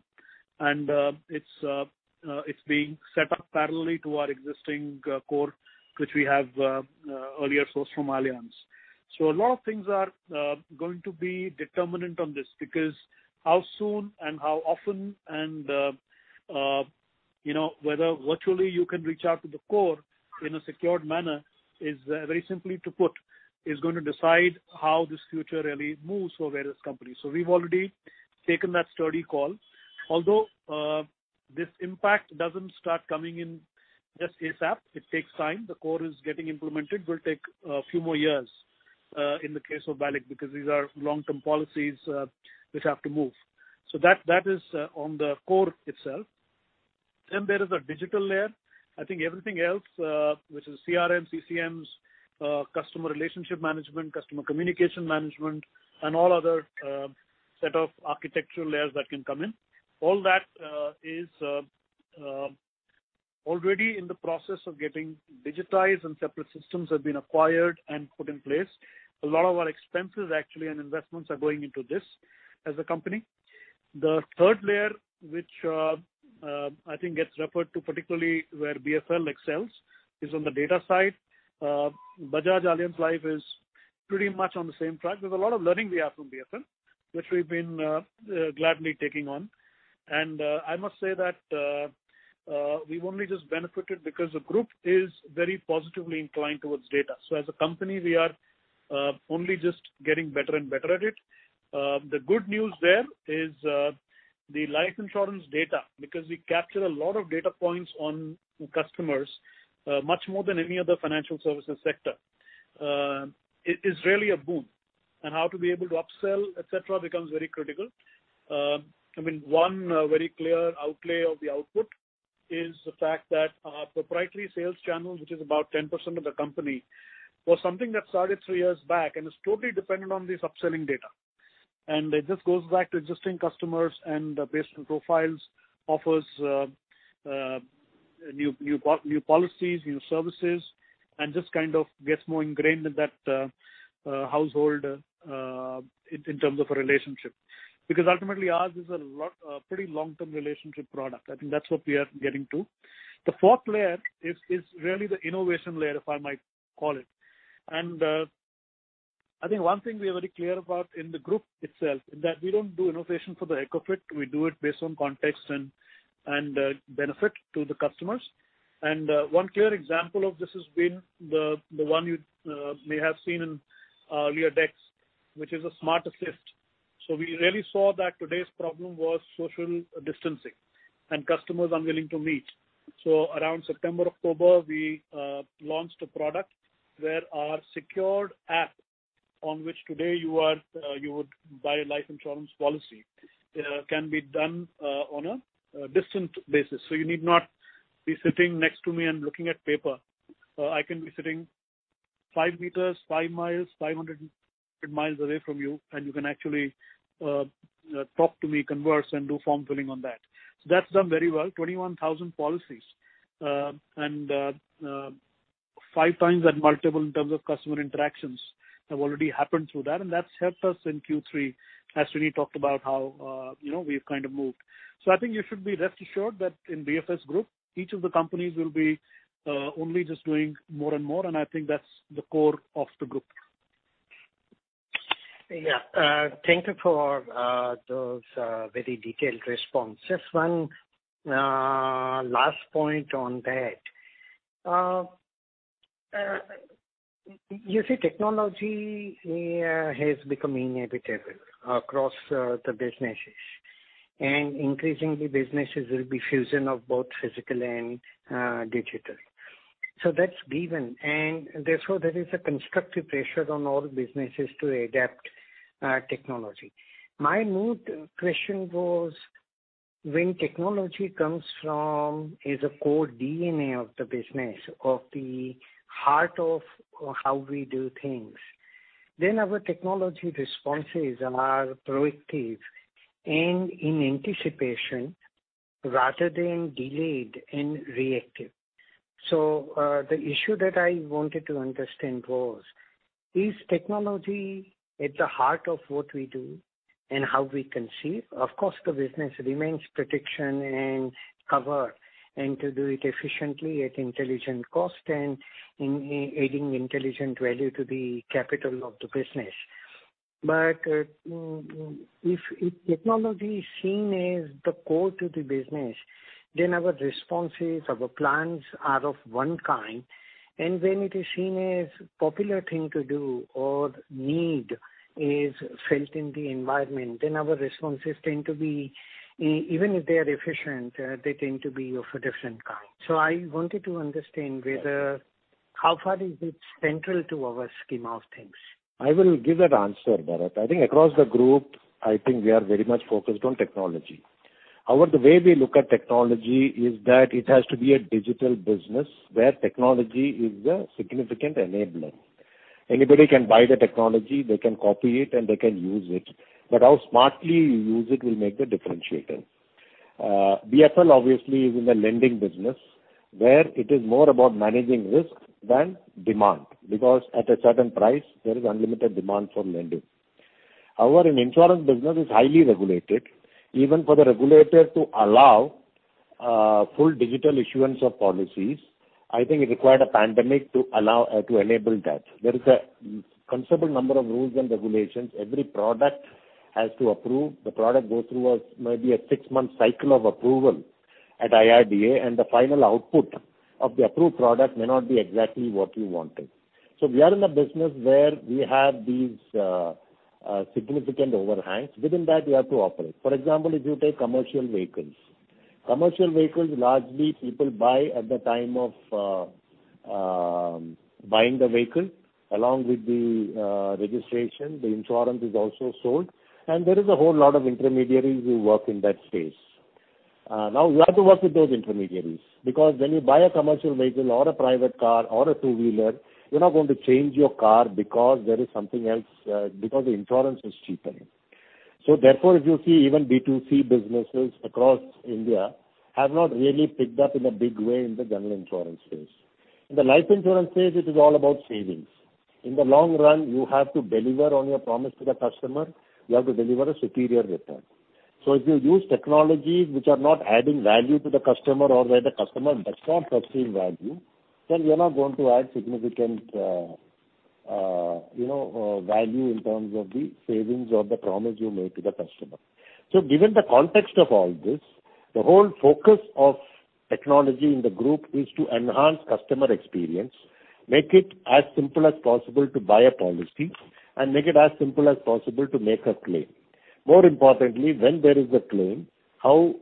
It's being set up parallelly to our existing core, which we have earlier sourced from Allianz. A lot of things are going to be determinant on this because how soon and how often and whether virtually you can reach out to the core in a secured manner is very simply to put, is going to decide how this future really moves for various companies. We've already taken that sturdy call, although this impact doesn't start coming in just ASAP, it takes time. The core is getting implemented, will take a few more years, in the case of BALIC, because these are long-term policies which have to move. That is on the core itself. There is a digital layer. I think everything else, which is CRM, CCMs, customer relationship management, customer communication management, and all other set of architectural layers that can come in. All that is already in the process of getting digitized and separate systems have been acquired and put in place. A lot of our expenses actually and investments are going into this as a company. The third layer, which I think gets referred to particularly where BFL excels, is on the data side. Bajaj Allianz Life is pretty much on the same track. There's a lot of learning we have from BFL, which we've been gladly taking on. I must say that we've only just benefited because the group is very positively inclined towards data. As a company, we are only just getting better and better at it. The good news there is the life insurance data, because we capture a lot of data points on customers, much more than any other financial services sector. It is really a boon, and how to be able to upsell, et cetera, becomes very critical. One very clear outlay of the output is the fact that our proprietary sales channel, which is about 10% of the company, was something that started three years back and is totally dependent on this upselling data. It just goes back to existing customers and based on profiles, offers new policies, new services, and just kind of gets more ingrained in that household in terms of a relationship. Ultimately, ours is a pretty long-term relationship product. I think that's what we are getting to. The fourth layer is really the innovation layer, if I might call it. I think one thing we are very clear about in the group itself is that we don't do innovation for the heck of it. We do it based on context and benefit to the customers. One clear example of this has been the one you may have seen in earlier decks, which is a Smart Assist. We really saw that today's problem was social distancing and customers unwilling to meet. Around September, October, we launched a product where our secured app on which today you would buy a life insurance policy can be done on a distant basis. You need not be sitting next to me and looking at paper. I can be sitting five meters, five miles, 500 miles away from you, and you can actually talk to me, converse, and do form filling on that. That's done very well, 21,000 policies, and five times that multiple in terms of customer interactions have already happened through that, and that's helped us in Q3 as Sreeni talked about how we've kind of moved. I think you should be rest assured that in BFS group, each of the companies will be only just doing more and more, and I think that's the core of the group. Yeah. Thank you for those very detailed responses. One last point on that. You see, technology has become inevitable across the businesses, and increasingly, businesses will be a fusion of both physical and digital. That's given, and therefore, there is a constructive pressure on all businesses to adapt technology. My moot question was, when technology comes from as a core DNA of the business, of the heart of how we do things, then our technology responses are proactive and in anticipation rather than delayed and reactive. The issue that I wanted to understand was, is technology at the heart of what we do and how we conceive? Of course, the business remains protection and cover and to do it efficiently at intelligent cost and adding intelligent value to the capital of the business. If technology is seen as the core to the business, then our responses, our plans are of one kind. When it is seen as a popular thing to do or need is felt in the environment, our responses, even if they are efficient, they tend to be of a different kind. I wanted to understand how far is it central to our scheme of things. I will give that answer, Bharat. Across the group, I think we are very much focused on technology. The way we look at technology is that it has to be a digital business where technology is a significant enabler. Anybody can buy the technology, they can copy it, and they can use it, but how smartly you use it will make the differentiator. BFL obviously is in the lending business, where it is more about managing risk than demand, because at a certain price, there is unlimited demand for lending. An insurance business is highly regulated. Even for the regulator to allow full digital issuance of policies, I think it required a pandemic to enable that. There is a considerable number of rules and regulations. Every product has to approve. The product goes through maybe a six-month cycle of approval at IRDA, and the final output of the approved product may not be exactly what we wanted. We are in a business where we have these significant overhangs. Within that, we have to operate. For example, if you take commercial vehicles. Commercial vehicles, largely people buy at the time of buying the vehicle. Along with the registration, the insurance is also sold, and there is a whole lot of intermediaries who work in that space. We have to work with those intermediaries because when you buy a commercial vehicle or a private car or a two-wheeler, you're not going to change your car because the insurance is cheaper. Therefore, if you see even B2C businesses across India have not really picked up in a big way in the general insurance space. In the life insurance space, it is all about savings. In the long run, you have to deliver on your promise to the customer. You have to deliver a superior return. If you use technologies which are not adding value to the customer or where the customer does not perceive value, then we are not going to add significant value in terms of the savings or the promise you make to the customer. Given the context of all this, the whole focus of technology in the group is to enhance customer experience, make it as simple as possible to buy a policy, and make it as simple as possible to make a claim. More importantly, when there is a claim, how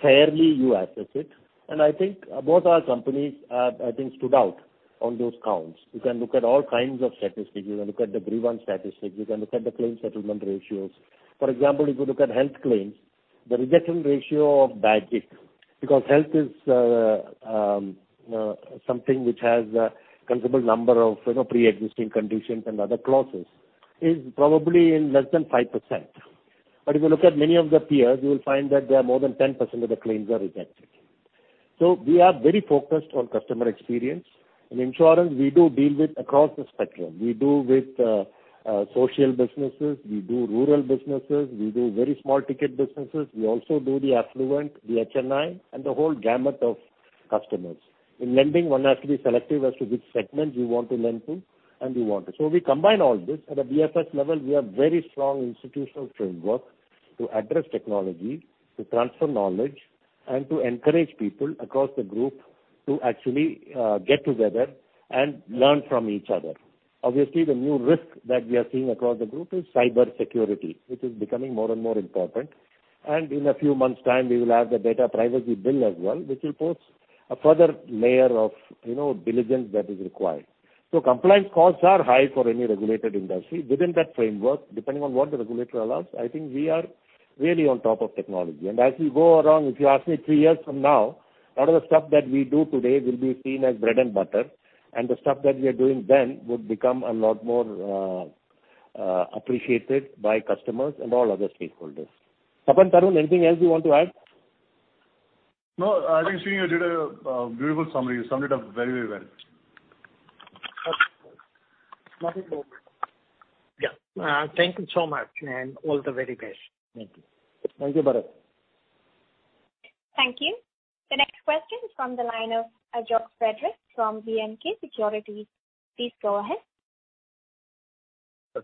fairly you assess it, and I think both our companies, I think, stood out on those counts. You can look at all kinds of statistics. You can look at the grievance statistics. You can look at the claim settlement ratios. For example, if you look at health claims, the rejection ratio of Bajaj, because health is something which has a considerable number of pre-existing conditions and other clauses, is probably in less than 5%. If you look at many of the peers, you will find that there are more than 10% of the claims are rejected. We are very focused on customer experience. In insurance, we do deal with across the spectrum. We do with social businesses, we do rural businesses, we do very small-ticket businesses. We also do the affluent, the HNI, and the whole gamut of customers. In lending, one has to be selective as to which segment you want to lend to and we want it. We combine all this. At a BFS level, we have very strong institutional framework to address technology, to transfer knowledge, and to encourage people across the group to actually get together and learn from each other. Obviously, the new risk that we are seeing across the group is cybersecurity, which is becoming more and more important. In a few months' time, we will have the Data Privacy Bill as well, which will pose a further layer of diligence that is required. So compliance costs are high for any regulated industry. Within that framework, depending on what the regulator allows, I think we are really on top of technology. As we go around, if you ask me three years from now, a lot of the stuff that we do today will be seen as bread and butter, and the stuff that we are doing then would become a lot more appreciated by customers and all other stakeholders. Tapan, Tarun, anything else you want to add? No, I think Sreeni, you did a beautiful summary. You summed it up very well. Okay. Nothing more. Yeah. Thank you so much, and all the very best. Thank you. Thank you, Bharat. Thank you. The next question is from the line of Ajox Frederick from B&K Securities. Please go ahead.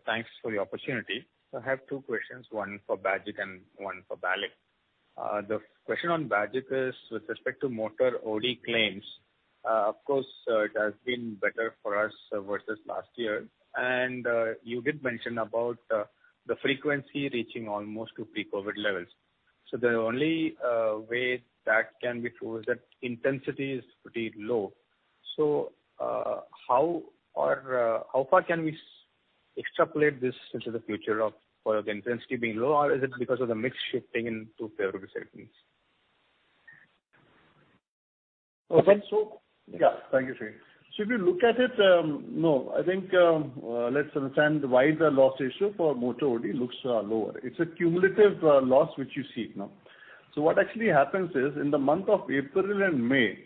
Thanks for the opportunity. I have two questions, one for Bajaj and one for BALIC. The question on Bajaj is with respect to motor OD claims. Of course, it has been better for us versus last year. You did mention about the frequency reaching almost to pre-COVID levels. The only way that can be true is that intensity is pretty low. How far can we extrapolate this into the future for the intensity being low, or is it because of the mix shifting into heavy segments? Thank you, Sreeni. If you look at it, no, I think let's understand why the loss ratio for motor OD looks lower. It's a cumulative loss which you see now. What actually happens is, in the month of April and May,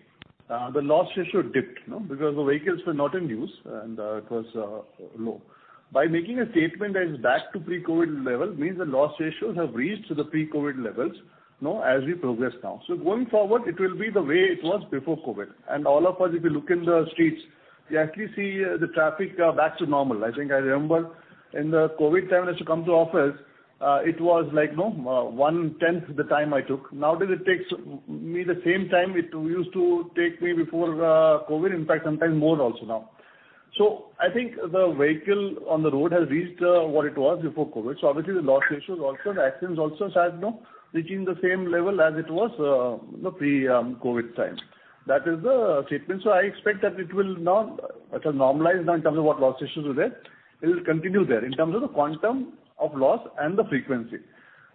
the loss ratio dipped. The vehicles were not in use, and it was low. By making a statement that is back to pre-COVID level means the loss ratios have reached to the pre-COVID levels, as we progress now. Going forward, it will be the way it was before COVID. All of us, if you look in the streets, you actually see the traffic back to normal. I think I remember in the COVID time when I used to come to office, it was like one-tenth the time I took. Nowadays, it takes me the same time it used to take me before COVID, in fact, sometimes more also now. I think the vehicle on the road has reached what it was before COVID. Obviously the loss ratios also, the accidents also start reaching the same level as it was the pre-COVID time. That is the statement. I expect that it will now normalize now in terms of what loss ratios were there. It will continue there in terms of the quantum of loss and the frequency.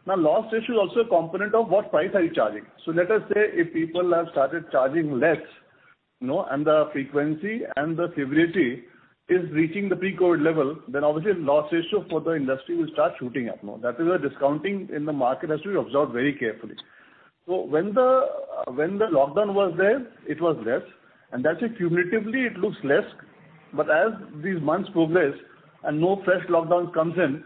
Loss ratio is also a component of what price are you charging. Let us say if people have started charging less, and the frequency and the severity is reaching the pre-COVID level, then obviously loss ratio for the industry will start shooting up. That is why discounting in the market has to be observed very carefully. When the lockdown was there, it was less, and that's why cumulatively it looks less. As these months progress and no fresh lockdown comes in,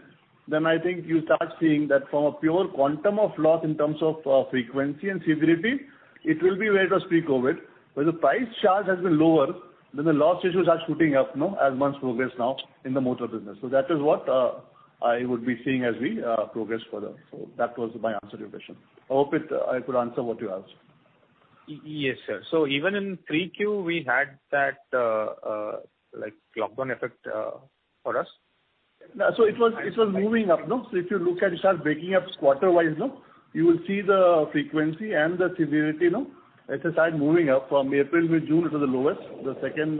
then I think you'll start seeing that from a pure quantum of loss in terms of frequency and severity, it will be where it was pre-COVID, where the price charge has been lower than the loss ratios are shooting up as months progress now in the motor business. That is what I would be seeing as we progress further. That was my answer to your question. I hope I could answer what you asked. Yes, sir. Even in 3Q, we had that lockdown effect for us. It was moving up. You start breaking up quarter-wise. You will see the frequency and the severity. It has started moving up from April to June, it was the lowest. The second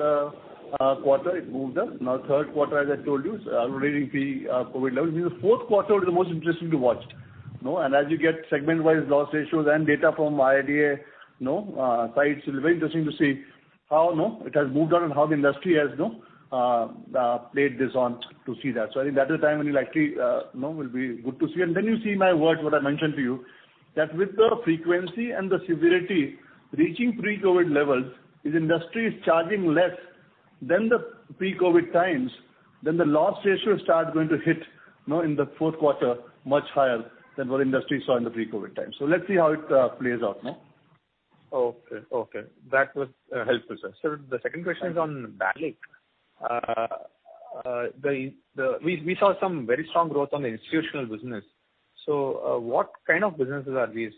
quarter, it moved up. Third quarter, as I told you, it's already pre-COVID level. The fourth quarter will be the most interesting to watch. As you get segment-wise loss ratios and data from IRDAI sites, it will be very interesting to see how it has moved on and how the industry has played this on to see that. I think that is the time when you likely will be good to see. You see my words, what I mentioned to you, that with the frequency and the severity reaching pre-COVID levels, if industry is charging less than the pre-COVID times, then the loss ratio will start going to hit in the fourth quarter, much higher than what industry saw in the pre-COVID time. Let's see how it plays out. Okay. That was helpful, sir. Sir, the second question is on BALIC. We saw some very strong growth on the institutional business. What kind of businesses are these,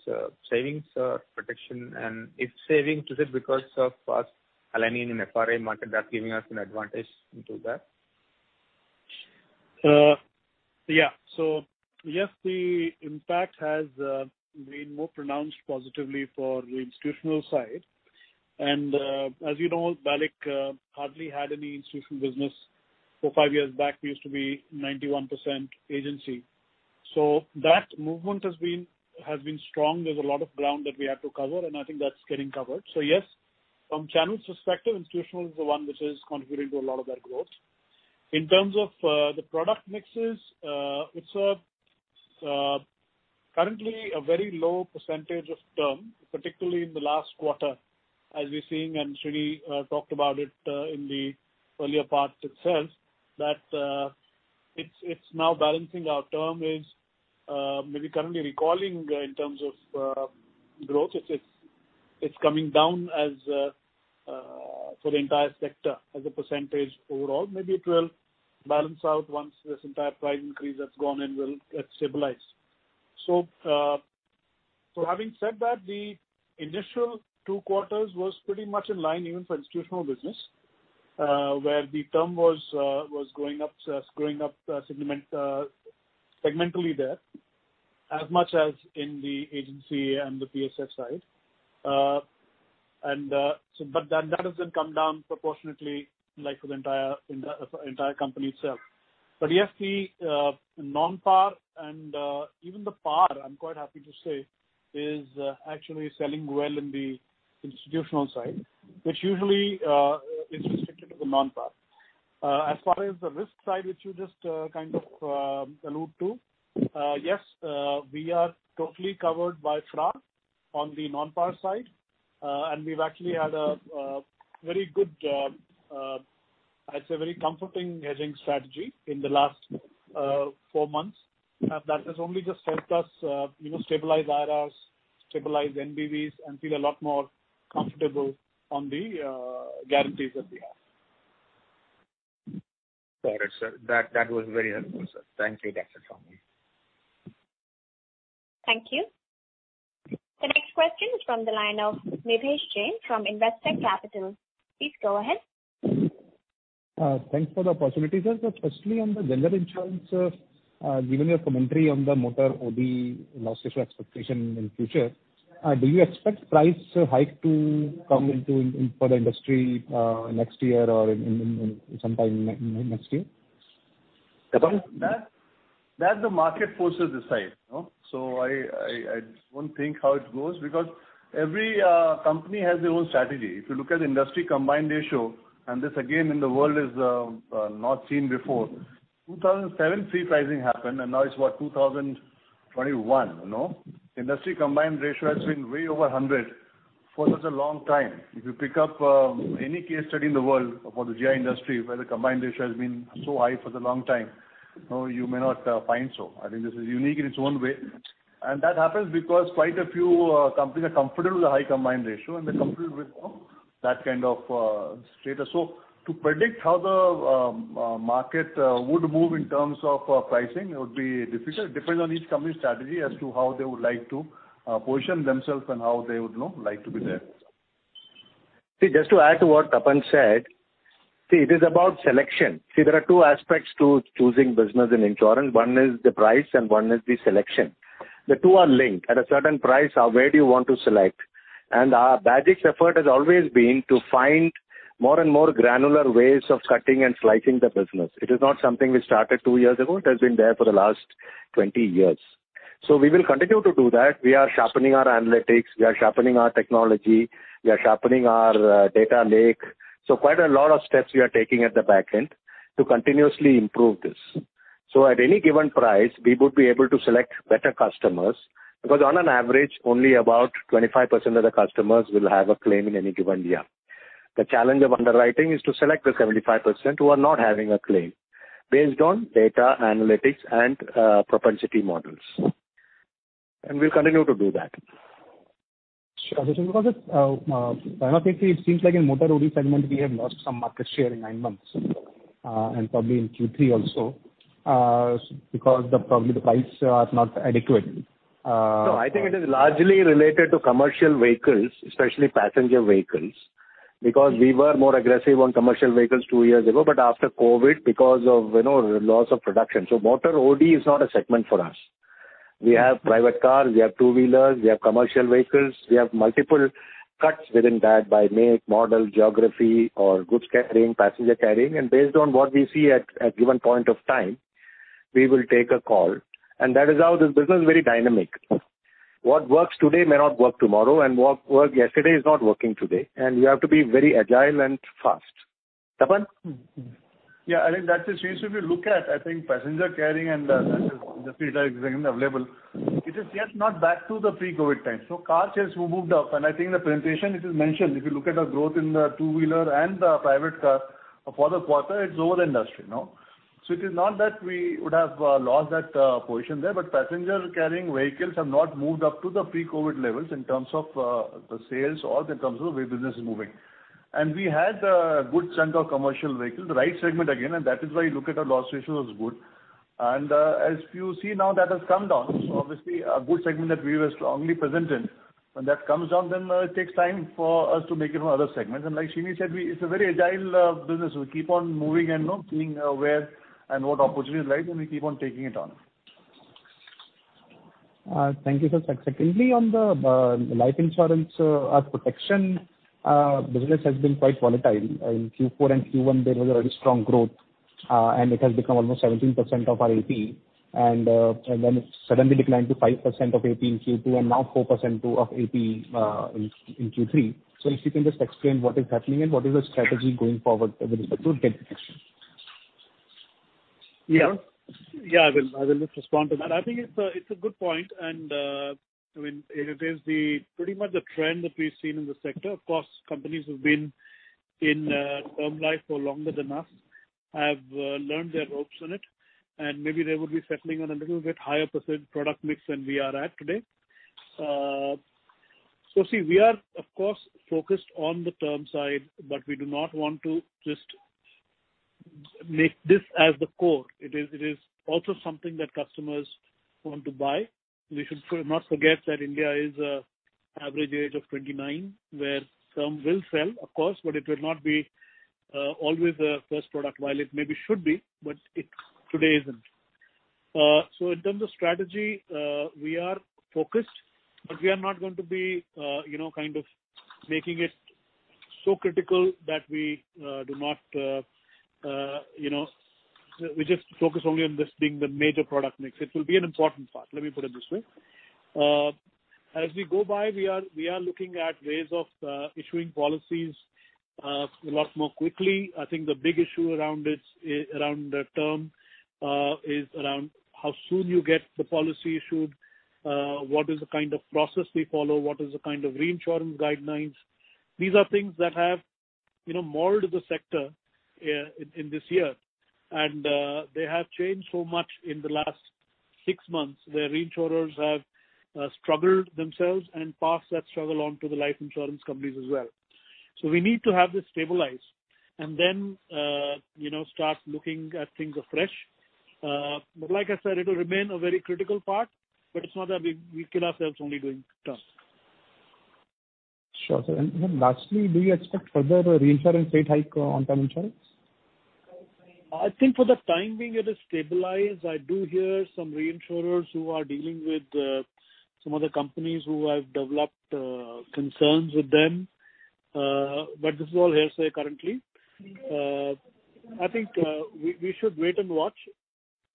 savings or protection? If savings, is it because of us aligning in FRA market that's giving us an advantage into that? Yeah. Yes, the impact has been more pronounced positively for the institutional side. As you know, BALIC hardly had any institutional business. For five years back, we used to be 91% agency. That movement has been strong. There's a lot of ground that we have to cover, and I think that's getting covered. Yes, from channels perspective, institutional is the one which is contributing to a lot of that growth. In terms of the product mixes, it's currently a very low percentage of term, particularly in the last quarter as we're seeing, and Sreeni talked about it in the earlier part itself, that it's now balancing our term is maybe currently recalling in terms of growth. It's coming down as for the entire sector as a percentage overall. Maybe it will balance out once this entire price increase has gone and will get stabilized. Having said that, the initial two quarters was pretty much in line even for institutional business, where the term was growing up segmentally there as much as in the agency and the PoSP side. That hasn't come down proportionately like for the entire company itself. Yes, the non-par and even the par, I'm quite happy to say, is actually selling well in the institutional side, which usually is restricted to the non-par. As far as the risk side, which you just kind of allude to, yes, we are totally covered by FRA on the non-par side. We've actually had a very good, I'd say a very comforting hedging strategy in the last four months. That has only just helped us stabilize IRRs. Stabilize NBVs and feel a lot more comfortable on the guarantees that we have. Got it, sir. That was very helpful, sir. Thank you. That's it from me. Thank you. The next question is from the line of Nidhesh Jain from Investec Capital. Please go ahead. Thanks for the opportunity, sir. Firstly, on the general insurance, given your commentary on the motor OD loss ratio expectation in future, do you expect price hike to come into for the industry next year or sometime next year? Tapan? That the market forces decide. I won't think how it goes because every company has their own strategy. If you look at industry combined ratio, and this again, in the world is not seen before. 2007, free pricing happened and now it's what, 2021. Industry combined ratio has been way over 100 for such a long time. If you pick up any case study in the world for the GI industry where the combined ratio has been so high for the long time, you may not find so. I think this is unique in its own way. That happens because quite a few companies are comfortable with the high combined ratio and they're comfortable with that kind of status. To predict how the market would move in terms of pricing, it would be difficult. Depends on each company's strategy as to how they would like to position themselves and how they would like to be there. Just to add to what Tapan said, it is about selection. There are two aspects to choosing business in insurance. One is the price, and one is the selection. The two are linked. At a certain price, where do you want to select? Our Bajaj effort has always been to find more and more granular ways of cutting and slicing the business. It is not something we started two years ago. It has been there for the last 20 years. We will continue to do that. We are sharpening our analytics. We are sharpening our technology. We are sharpening our data lake. Quite a lot of steps we are taking at the back end to continuously improve this. At any given price, we would be able to select better customers because on an average, only about 25% of the customers will have a claim in any given year. The challenge of underwriting is to select the 75% who are not having a claim based on data analytics and propensity models. We'll continue to do that. Sure. I think it seems like in motor OD segment, we have lost some market share in nine months and probably in Q3 also, because probably the price are not adequate. No, I think it is largely related to commercial vehicles, especially passenger vehicles, because we were more aggressive on commercial vehicles two years ago. After COVID, because of loss of production, motor OD is not a segment for us. We have private cars, we have two-wheelers, we have commercial vehicles. We have multiple cuts within that by make, model, geography or goods carrying, passenger carrying. Based on what we see at a given point of time, we will take a call. That is how this business is very dynamic. What works today may not work tomorrow and what worked yesterday is not working today. We have to be very agile and fast. Tapan? I think that is, if you look at, I think passenger carrying and the three-wheelers are available. It is just not back to the pre-COVID time. Car sales have moved up and I think the presentation it is mentioned, if you look at our growth in the two-wheeler and the private car for the quarter, it's over industry. It is not that we would have lost that position there, but passenger carrying vehicles have not moved up to the pre-COVID levels in terms of the sales or in terms of where business is moving. We had a good chunk of commercial vehicles, the right segment again, and that is why you look at our loss ratio was good. As you see now that has come down. Obviously a good segment that we were strongly present in. When that comes down, then it takes time for us to make it from other segments. Like Sreeni said, it's a very agile business. We keep on moving and seeing where and what opportunities lie and we keep on taking it on. Thank you, sir. On the life insurance protection business has been quite volatile. In Q4 and Q1, there was a very strong growth, and it has become almost 17% of our AP, and then it suddenly declined to 5% of AP in Q2 and now 4% of AP in Q3. If you can just explain what is happening and what is the strategy going forward with respect to debt collection. Yeah, I will just respond to that. I think it's a good point and it is pretty much the trend that we've seen in the sector. Of course, companies who've been in term life for longer than us have learned their ropes in it, and maybe they would be settling on a little bit higher % product mix than we are at today. See, we are, of course, focused on the term side, but we do not want to just make this as the core. It is also something that customers want to buy. We should not forget that India is average age of 29, where some will sell, of course, but it will not be always the first product, while it maybe should be, but it today isn't. In terms of strategy, we are focused, but we are not going to be kind of making it so critical that we just focus only on this being the major product mix. It will be an important part, let me put this way. As we go by, we are looking at ways of issuing policies a lot more quickly. I think the big issue around the term, is around how soon you get the policy issued, what is the kind of process we follow, what is the kind of reinsurance guidelines. Marred the sector in this year. They have changed so much in the last six months, where reinsurers have struggled themselves and passed that struggle on to the life insurance companies as well. We need to have this stabilized and then start looking at things afresh. Like I said, it'll remain a very critical part, but it's not that we kill ourselves only doing term. Sure, sir. Lastly, do you expect further reinsurance rate hike on term insurance? I think for the time being, it is stabilized. I do hear some reinsurers who are dealing with some other companies who have developed concerns with them. This is all hearsay currently. I think we should wait and watch.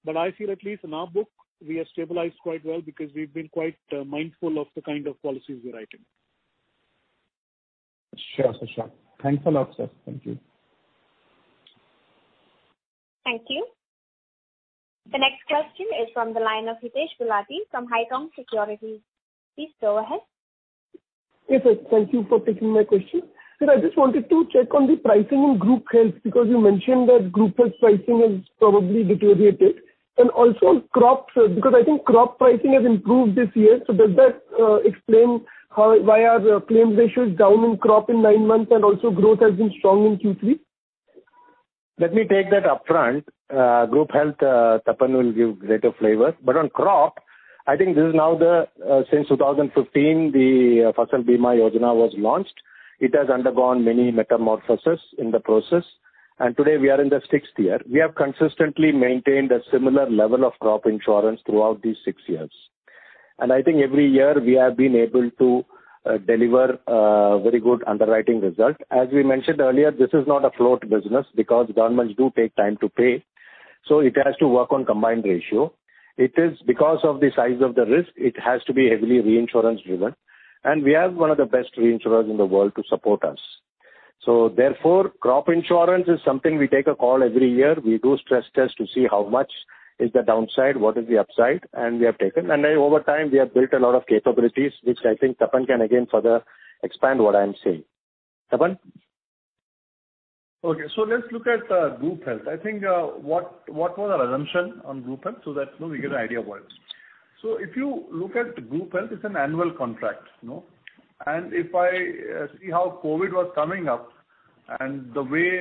I feel at least in our book, we are stabilized quite well because we've been quite mindful of the kind of policies we're writing. Sure, sir. Thanks a lot, sir. Thank you. Thank you. The next question is from the line of Hitesh Gilani from Kotak Securities. Please go ahead. Yes, sir. Thank you for taking my question. Sir, I just wanted to check on the pricing in group health, because you mentioned that group health pricing has probably deteriorated and also crops, because I think crop pricing has improved this year. Does that explain why our claims ratio is down in crop in nine months, and also growth has been strong in Q3? Let me take that upfront. Group health, Tapan will give greater flavor. On crop, I think this is now since 2015, the Fasal Bima Yojana was launched. It has undergone many metamorphosis in the process. Today we are in the sixth year. We have consistently maintained a similar level of crop insurance throughout these six years. I think every year we have been able to deliver a very good underwriting result. As we mentioned earlier, this is not a float business because governments do take time to pay. It has to work on combined ratio. It is because of the size of the risk, it has to be heavily reinsurance-driven. We have one of the best reinsurers in the world to support us. Therefore, crop insurance is something we take a call every year. We do stress tests to see how much is the downside, what is the upside, and we have taken. Over time, we have built a lot of capabilities, which I think Tapan can again further expand what I'm saying. Tapan. Okay. Let's look at group health. I think what was our assumption on group health so that we get an idea of what it is. If I see how COVID was coming up and the way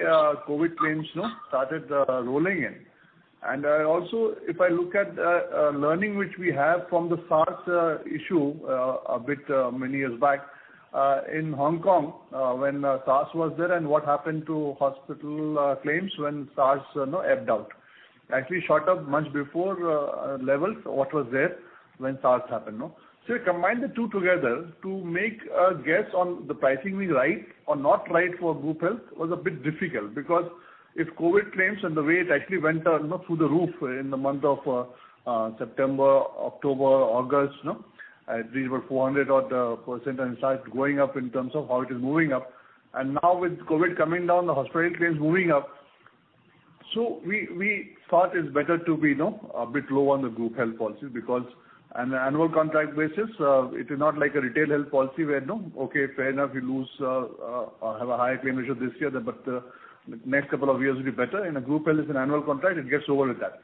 COVID claims started rolling in. Also, if I look at learning, which we have from the SARS issue a bit many years back in Hong Kong when SARS was there and what happened to hospital claims when SARS ebbed out. Actually shot up much before levels what was there when SARS happened. You combine the two together to make a guess on the pricing we write or not write for group health was a bit difficult because if COVID claims and the way it actually went through the roof in the month of September, October, August. These were 400 odd % and it started going up in terms of how it is moving up. Now with COVID coming down, the hospital claims moving up. We thought it's better to be a bit low on the group health policy because on an annual contract basis, it is not like a retail health policy where, okay, fair enough, you have a high claim ratio this year, but next couple of years will be better. In a group health, it's an annual contract, it gets over with that.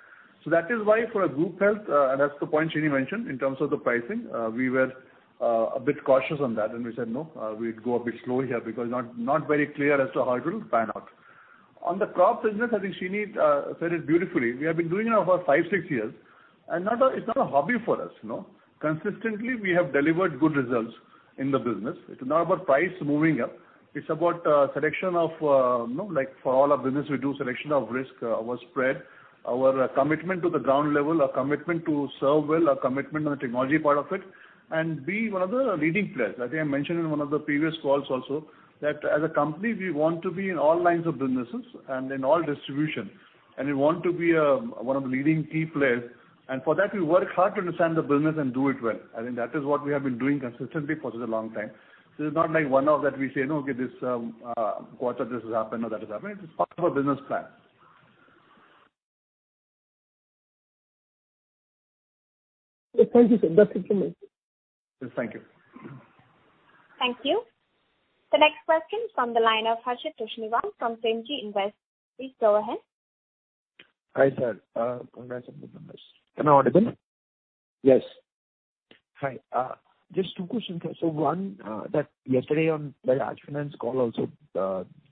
That is why for a group health, and that's the point Sreeni mentioned in terms of the pricing, we were a bit cautious on that. We said, no, we'd go a bit slow here because not very clear as to how it will pan out. On the crop business, I think Sreeni said it beautifully. We have been doing it now for five, six years, and it's not a hobby for us. Consistently, we have delivered good results in the business. It's not about price moving up. It's about like for all our business, we do selection of risk, our spread, our commitment to the ground level, our commitment to serve well, our commitment on the technology part of it, and be one of the leading players. I think I mentioned in one of the previous calls also that as a company, we want to be in all lines of businesses and in all distribution, and we want to be one of the leading key players. For that, we work hard to understand the business and do it well. I think that is what we have been doing consistently for such a long time. It's not like one-off that we say, "Okay, this quarter this has happened or that has happened." It's part of our business plan. Thank you, sir. That's it from me. Yes, thank you. Thank you. The next question from the line of Harshit Toshniwal from Premji Invest. Please go ahead. Hi, sir. Congratulations on the numbers. Am I audible? Yes. Hi. Just two questions. One, that yesterday on the Bajaj Finance call also,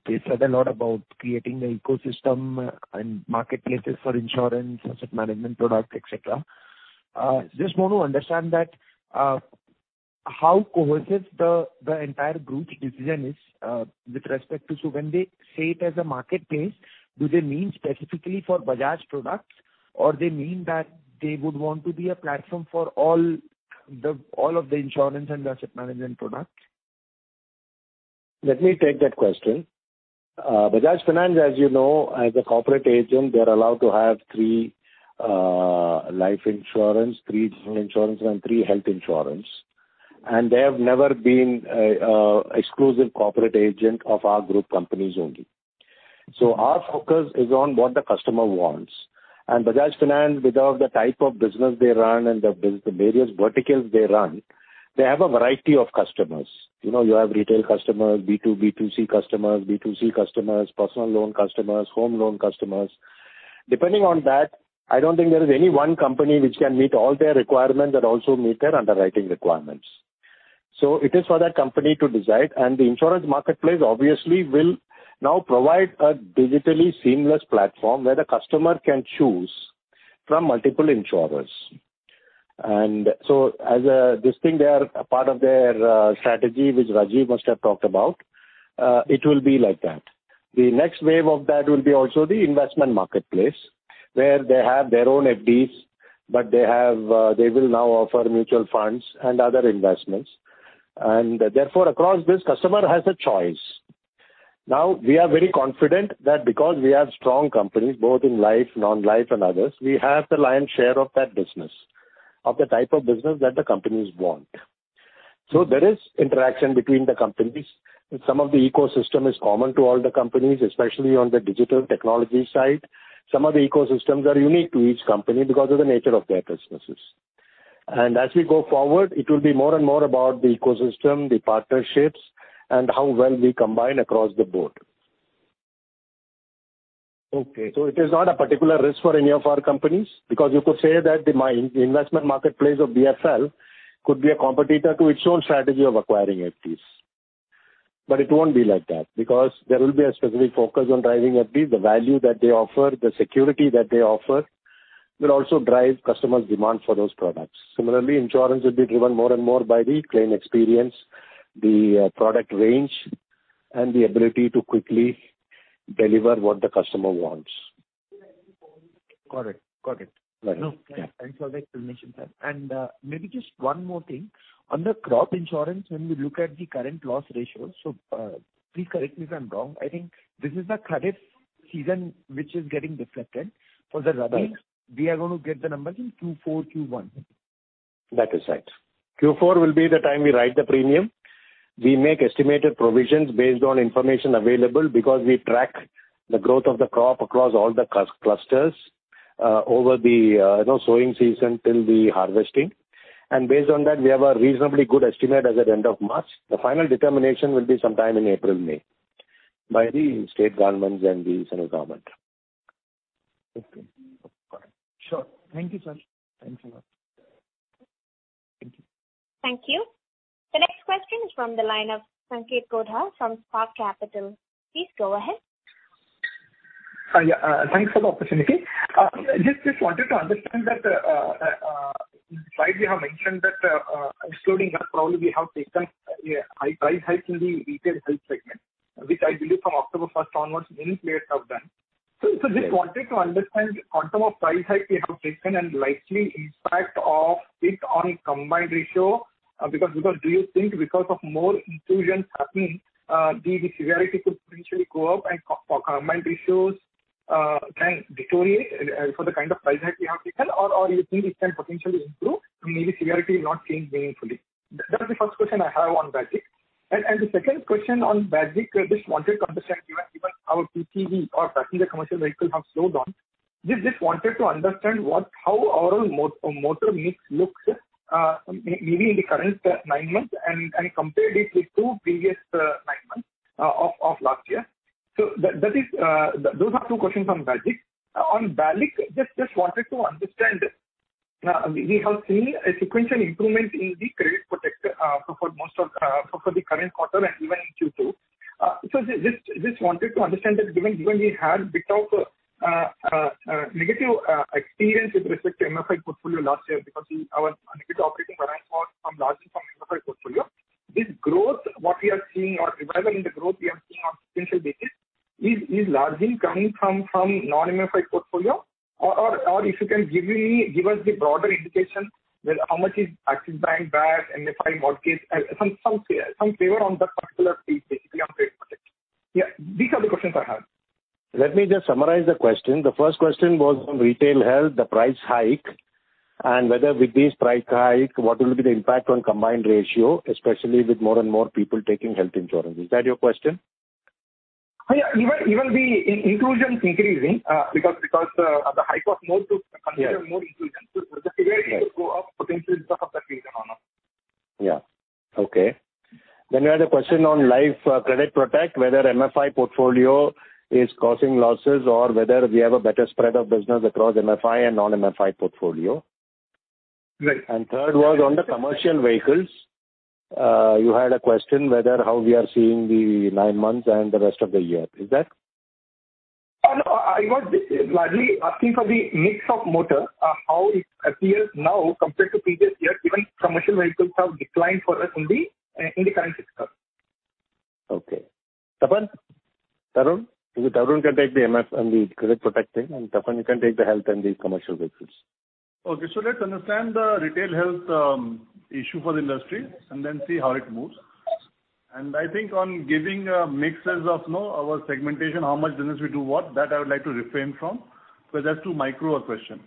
they said a lot about creating an ecosystem and marketplaces for insurance, asset management products, et cetera. Just want to understand that how cohesive the entire group's decision is with respect to, when they say it as a marketplace, do they mean specifically for Bajaj products, or they mean that they would want to be a platform for all of the insurance and asset management products? Let me take that question. Bajaj Finance, as you know, as a corporate agent, they're allowed to have three life insurance, three general insurance, and three health insurance. They have never been exclusive corporate agent of our group companies only. Our focus is on what the customer wants. Bajaj Finance, with all the type of business they run and the various verticals they run, they have a variety of customers. You have retail customers, B2B, B2C customers, personal loan customers, home loan customers. Depending on that, I don't think there is any one company which can meet all their requirements that also meet their underwriting requirements. It is for that company to decide. The insurance marketplace obviously will now provide a digitally seamless platform where the customer can choose from multiple insurers. As a distinct part of their strategy, which Rajiv must have talked about, it will be like that. The next wave of that will be also the investment marketplace, where they have their own FDs, but they will now offer mutual funds and other investments. Across this, customer has a choice. Now, we are very confident that because we are strong companies, both in life, non-life and others, we have the lion's share of that business, of the type of business that the companies want. There is interaction between the companies and some of the ecosystem is common to all the companies, especially on the digital technology side. Some of the ecosystems are unique to each company because of the nature of their businesses. As we go forward, it will be more and more about the ecosystem, the partnerships, and how well we combine across the board. It is not a particular risk for any of our companies because you could say that the investment marketplace of BFL could be a competitor to its own strategy of acquiring FDs. It won't be like that because there will be a specific focus on driving FD. The value that they offer, the security that they offer, will also drive customers' demand for those products. Similarly, insurance will be driven more and more by the claim experience, the product range, and the ability to quickly deliver what the customer wants. Got it. Right. Yeah. Thanks for the explanation, sir. Maybe just one more thing. On the crop insurance, when we look at the current loss ratio, please correct me if I'm wrong, I think this is the Kharif season which is getting reflected for the rubber. We are going to get the numbers in Q4, Q1. That is right. Q4 will be the time we write the premium. We make estimated provisions based on information available because we track the growth of the crop across all the clusters over the sowing season till the harvesting. Based on that, we have a reasonably good estimate as at end of March. The final determination will be sometime in April, May by the state governments and the central government. Okay, got it. Sure. Thank you, sir. Thanks a lot. Thank you. Thank you. The next question is from the line of Sanketh Godha from Spark Capital. Please go ahead. Yeah, thanks for the opportunity. Just wanted to understand that, in slide you have mentioned that, excluding that probably we have taken a high price hike in the retail health segment, which I believe from October 1st onwards many players have done. Just wanted to understand quantum of price hike we have taken and likely impact of it on combined ratio because do you think because of more inclusions happening, the severity could potentially go up and for combined ratios can deteriorate for the kind of price hike we have taken or you think it can potentially improve and maybe severity will not change meaningfully? That's the first question I have on Bajaj. The second question on BAGIC, just wanted to understand given how PTV or passenger commercial vehicles have slowed down, just wanted to understand how overall motor mix looks maybe in the current nine months and compare it with two previous nine months of last year. Those are two questions on BAGIC. On BALIC, just wanted to understand, we have seen a sequential improvement in the credit protect for the current quarter and even in Q2. Just wanted to understand that given we had bit of a negative experience with respect to MFI portfolio last year because our negative operating environment was from largely from MFI portfolio. This growth what we are seeing or revival in the growth we are seeing on sequential basis is largely coming from non-MFI portfolio or if you can give us the broader indication that how much is Axis Bank back, MFI, mortgage, some favor on that particular piece basically on credit protect. Yeah, these are the questions I have. Let me just summarize the question. The first question was on retail health, the price hike, and whether with this price hike, what will be the impact on combined ratio, especially with more and more people taking health insurance. Is that your question? Yeah. Even the inclusions increasing because the hike was more to consider more inclusions. The severity could go up potentially because of that reason or not. Yeah. Okay. We had a question on life credit protect, whether MFI portfolio is causing losses or whether we have a better spread of business across MFI and non-MFI portfolio. Right. Third was on the commercial vehicles, you had a question whether how we are seeing the nine months and the rest of the year. I was largely asking for the mix of motor, how it appears now compared to previous year, given commercial vehicles have declined for us in the current fiscal. Okay. Tapan, maybe Tarun can take the MF and the credit protect thing, and Tapan, you can take the health and the commercial vehicles. Let's understand the retail health issue for the industry and then see how it moves. I think on giving mixes of our segmentation, how much business we do what, that I would like to refrain from because that's too micro a question.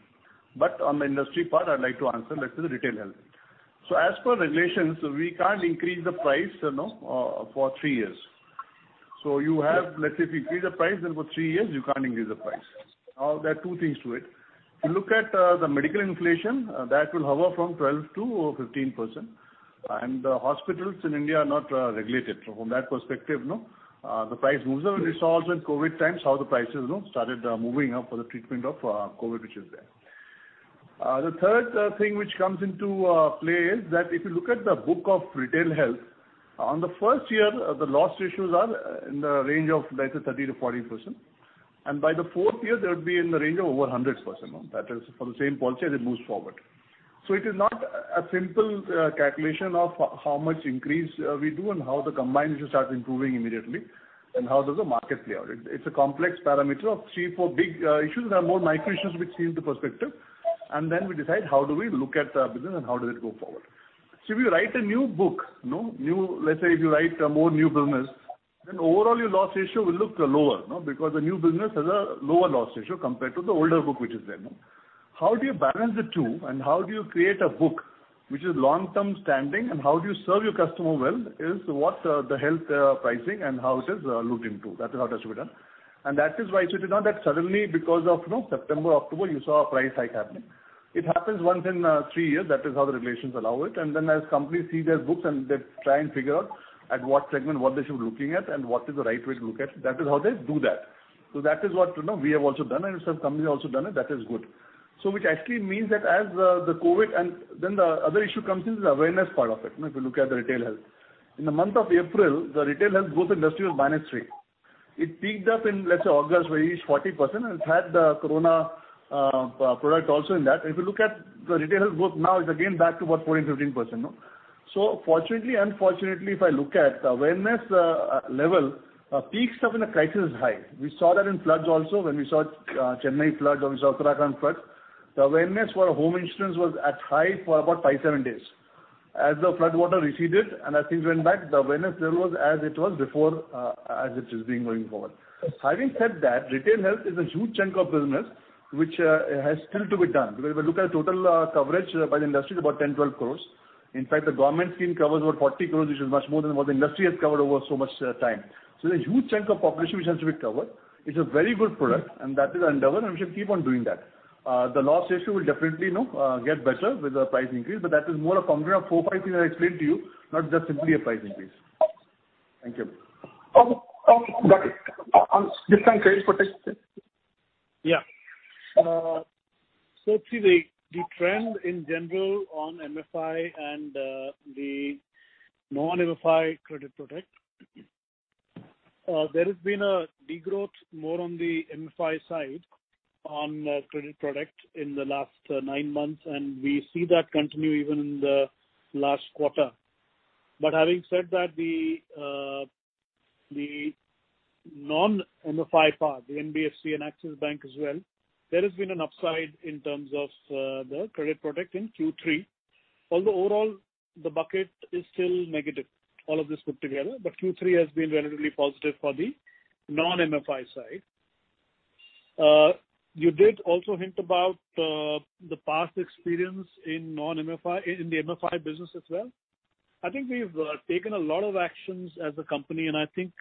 On the industry part, I'd like to answer, that's the retail health. As per regulations, we can't increase the price for three years. Let's say if you increase the price, then for three years you can't increase the price. There are two things to it. If you look at the medical inflation, that will hover from 12% to over 15%. The hospitals in India are not regulated. From that perspective, the price moves. We saw also in COVID times how the prices started moving up for the treatment of COVID, which is there. The third thing which comes into play is that if you look at the book of retail health, on the first year, the loss ratios are in the range of 30%-40%. By the fourth year, they would be in the range of over 100%. That is for the same policy as it moves forward. It is not a simple calculation of how much increase we do and how the combined ratio starts improving immediately, and how does the market play out. It's a complex parameter of three, four big issues and there are more micro issues which we see into perspective, and then we decide how do we look at the business and how does it go forward. If you write a new book, let's say if you write a more new business, then overall your loss ratio will look lower because the new business has a lower loss ratio compared to the older book, which is there. How do you balance the two, and how do you create a book which is long-term standing, and how do you serve your customer well is what the health pricing and how it is looked into. That is how that should be done. That is why it should be known that suddenly because of September, October, you saw a price hike happening. It happens once in three years. That is how the regulations allow it. As companies see their books and they try and figure out at what segment, what they should be looking at and what is the right way to look at, that is how they do that. That is what we have also done and certain companies have also done it. That is good. Which actually means that as the COVID and then the other issue comes in is the awareness part of it, if you look at the retail health. In the month of April, the retail health growth industry was -3%. It peaked up in, let's say August, where it reached 40%, and it had the Corona product also in that. If you look at the retail health growth now, it's again back to what, 14%-15%. Fortunately and unfortunately, if I look at awareness level, peaks up when a crisis is high. We saw that in floods also when we saw Chennai flood or we saw Uttarakhand flood. The awareness for a home insurance was at high for about five, seven days. As the flood water receded and as things went back, the awareness level was as it was before as it is being going forward. Having said that, retail health is a huge chunk of business which has still to be done. Because if you look at total coverage by the industry, it's about 10 crores, 12 crores. In fact, the government scheme covers about 40 crores, which is much more than what the industry has covered over so much time. There's a huge chunk of population which has to be covered. It's a very good product and that is an endeavor, and we should keep on doing that. The loss ratio will definitely get better with the price increase, but that is more a combination of four, five things that I explained to you, not just simply a price increase. Thank you. Okay, got it. On this time, credit protection. Yeah. Actually the trend in general on MFI and the non-MFI credit product. There has been a degrowth more on the MFI side on credit product in the last nine months, and we see that continue even in the last quarter. Having said that, the non-MFI part, the NBFC and Axis Bank as well, there has been an upside in terms of the credit product in Q3. Although overall the bucket is still negative, all of this put together. Q3 has been relatively positive for the non-MFI side. You did also hint about the past experience in the MFI business as well. I think we've taken a lot of actions as a company, and I think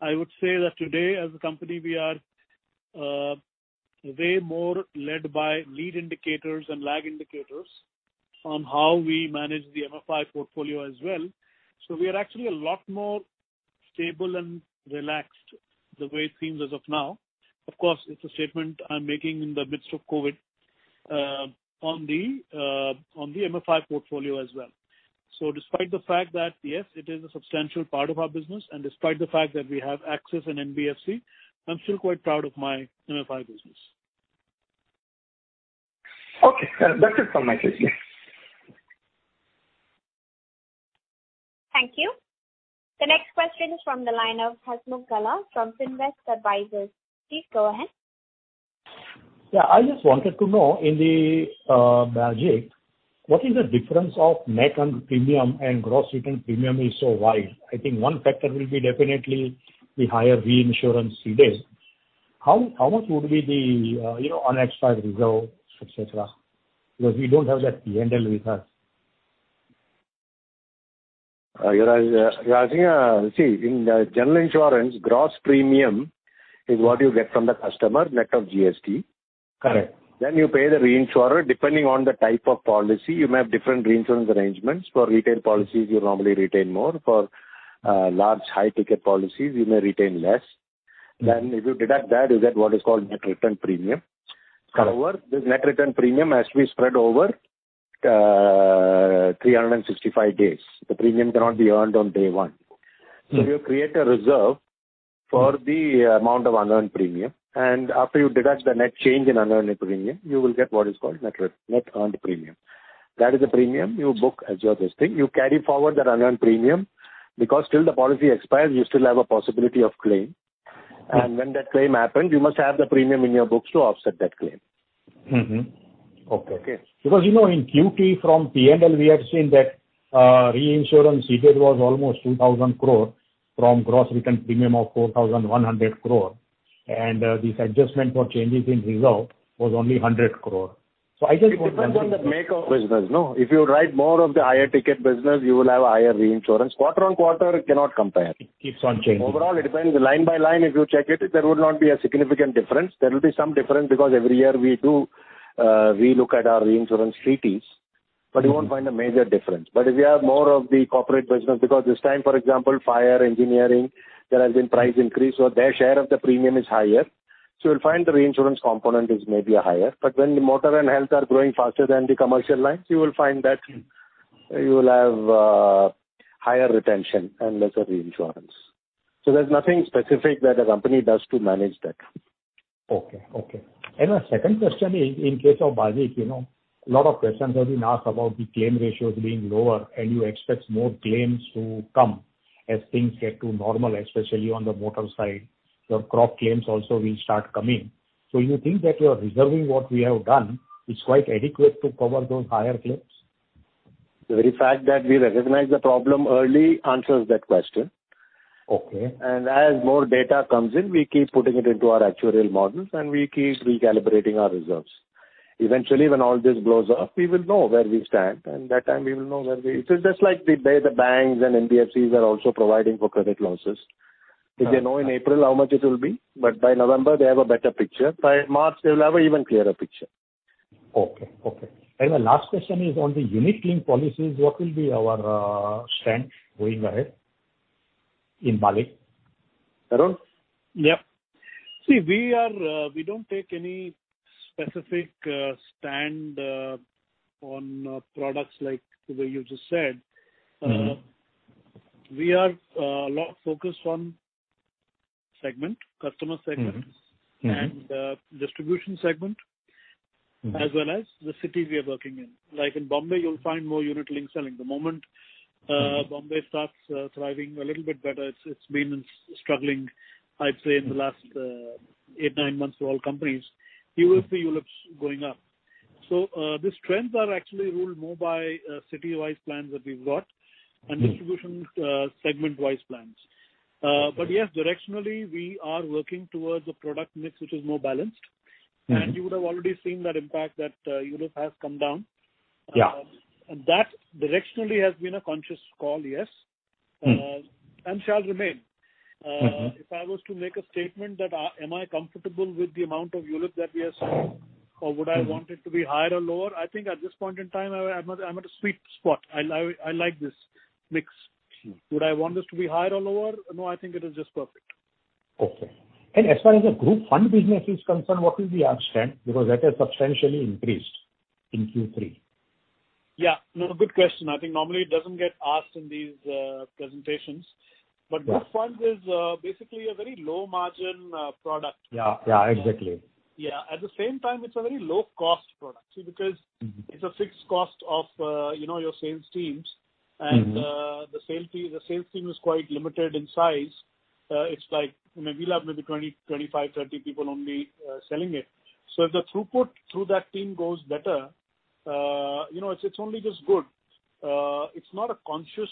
I would say that today as a company, we are way more led by lead indicators and lag indicators on how we manage the MFI portfolio as well. We are actually a lot more stable and relaxed the way it seems as of now. Of course, it's a statement I'm making in the midst of COVID on the MFI portfolio as well. Despite the fact that, yes, it is a substantial part of our business, and despite the fact that we have Axis and NBFC, I'm still quite proud of my MFI business. Okay. That's it from my side. Thank you. The next question is from the line of Hasnukala from Synvest Advisors. Please go ahead. Yeah. I just wanted to know in the BAGIC, what is the difference of net and premium and gross retained premium is so wide? I think one factor will be definitely the higher reinsurance these days. How much would be the unexpired reserve, et cetera because we don't have that P&L with us? You're asking, see, in the general insurance, gross premium is what you get from the customer net of GST. Correct. You pay the reinsurer, depending on the type of policy, you may have different reinsurance arrangements. For retail policies, you'll normally retain more. For large high-ticket policies, you may retain less. If you deduct that, you get what is called net return premium. Correct. This net return premium has to be spread over 365 days. The premium cannot be earned on day one. You create a reserve for the amount of unearned premium. After you deduct the net change in unearned premium, you will get what is called net earned premium. That is the premium you book as your this thing. You carry forward that unearned premium because till the policy expires, you still have a possibility of claim. When that claim happens, you must have the premium in your books to offset that claim. Okay. In Q3 from P&L, we have seen that Reinsurance received was almost 2,000 crore from gross written premium of 4,100 crore. This adjustment for changes in reserve was only 100 crore. It depends on the makeup business, no? If you write more of the higher ticket business, you will have a higher reinsurance. Quarter-on-quarter, you cannot compare. It keeps on changing. Overall, it depends. Line by line, if you check it, there would not be a significant difference. There will be some difference because every year we do relook at our reinsurance treaties, but you won't find a major difference. If we have more of the corporate business, because this time, for example, fire engineering, there has been price increase, so their share of the premium is higher. You'll find the reinsurance component is maybe higher. When motor and health are growing faster than the commercial lines, you will find that you will have higher retention and lesser reinsurance. There's nothing specific that a company does to manage that. Okay. My second question is in case of Bajaj, a lot of questions have been asked about the claim ratios being lower, and you expect more claims to come as things get to normal, especially on the motor side. Your crop claims also will start coming. You think that your reserving what we have done is quite adequate to cover those higher claims? The very fact that we recognized the problem early answers that question. Okay. As more data comes in, we keep putting it into our actuarial models, and we keep recalibrating our reserves. Eventually, when all this blows off, we will know where we stand. It is just like the banks and NBFCs are also providing for credit losses. Did they know in April how much it will be? By November, they have a better picture. By March, they will have an even clearer picture. Okay. My last question is on the unit-linked policies. What will be our strength going ahead in Bajaj? Tarun? Yeah. See, we don't take any specific stand on products like the way you just said. We are a lot focused on segment, customer segments. Distribution segment, as well as the cities we are working in. Like in Bombay, you'll find more unit-linked selling. The moment Bombay starts thriving a little bit better, it's been struggling, I'd say, in the last eight, nine months for all companies, you will see ULIPs going up. These trends are actually ruled more by city-wide plans that we've got and distribution segment-wise plans. Yes, directionally, we are working towards a product mix which is more balanced. You would have already seen that impact that ULIPs has come down. Yeah. That directionally has been a conscious call, yes, and shall remain. If I was to make a statement that am I comfortable with the amount of ULIPs that we are selling or would I want it to be higher or lower, I think at this point in time, I'm at a sweet spot. I like this mix. Would I want this to be higher or lower? No, I think it is just perfect. Okay. As far as the group fund business is concerned, what will be our strength? That has substantially increased in Q3. Yeah. No, good question. I think normally it doesn't get asked in these presentations. Group fund is basically a very low-margin product. Yeah, exactly. Yeah. At the same time, it's a very low-cost product. See, because it's a fixed cost of your sales teams. The sales team is quite limited in size. It's like maybe we'll have maybe 20, 25, 30 people only selling it. If the throughput through that team goes better, it's only just good. It's not a conscious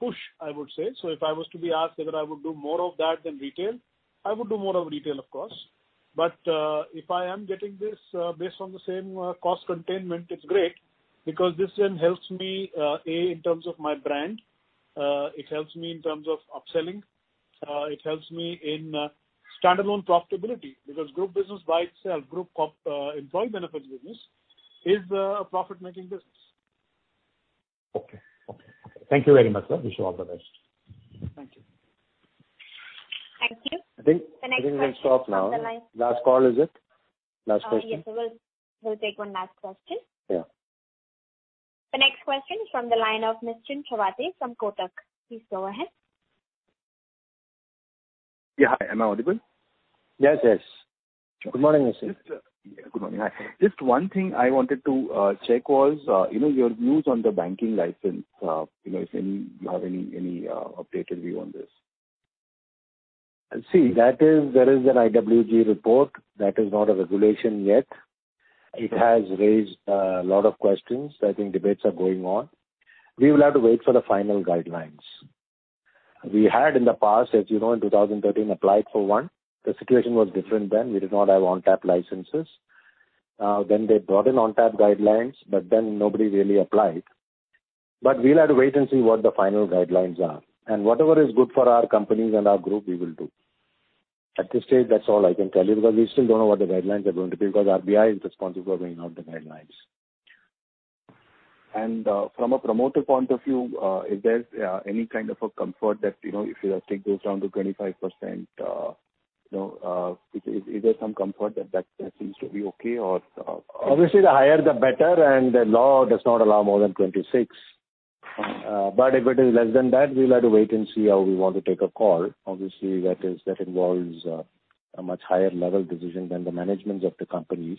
push, I would say. If I was to be asked whether I would do more of that than retail, I would do more of retail, of course. If I am getting this based on the same cost containment, it's great because this then helps me, A, in terms of my brand, it helps me in terms of upselling. It helps me in standalone profitability because group business by itself, group employee benefits business, is a profit-making business. Okay. Thank you very much, sir. Wish you all the best. Thank you. Thank you. I think we'll stop now. The next question from the line. Last call, is it? Last question. Yes. We'll take one last question. Yeah. The next question is from the line of Mr. Chawathe from Kotak. Please go ahead. Yeah, hi. Am I audible? Yes. Good morning, sir. Good morning. Hi. Just one thing I wanted to check was your views on the banking license. If you have any updated view on this? There is an IWG report that is not a regulation yet. It has raised a lot of questions. I think debates are going on. We will have to wait for the final guidelines. We had in the past, as you know, in 2013, applied for one. The situation was different then. We did not have on-tap licenses. They brought in on-tap guidelines, but then nobody really applied. We'll have to wait and see what the final guidelines are. Whatever is good for our companies and our group, we will do. At this stage, that's all I can tell you because we still don't know what the guidelines are going to be because RBI is responsible for bringing out the guidelines. From a promoter point of view, is there any kind of a comfort that if the stake goes down to 25%, is there some comfort that seems to be okay? Obviously, the higher the better, and the law does not allow more than 26. If it is less than that, we'll have to wait and see how we want to take a call. Obviously, that involves a much higher level decision than the managements of the companies.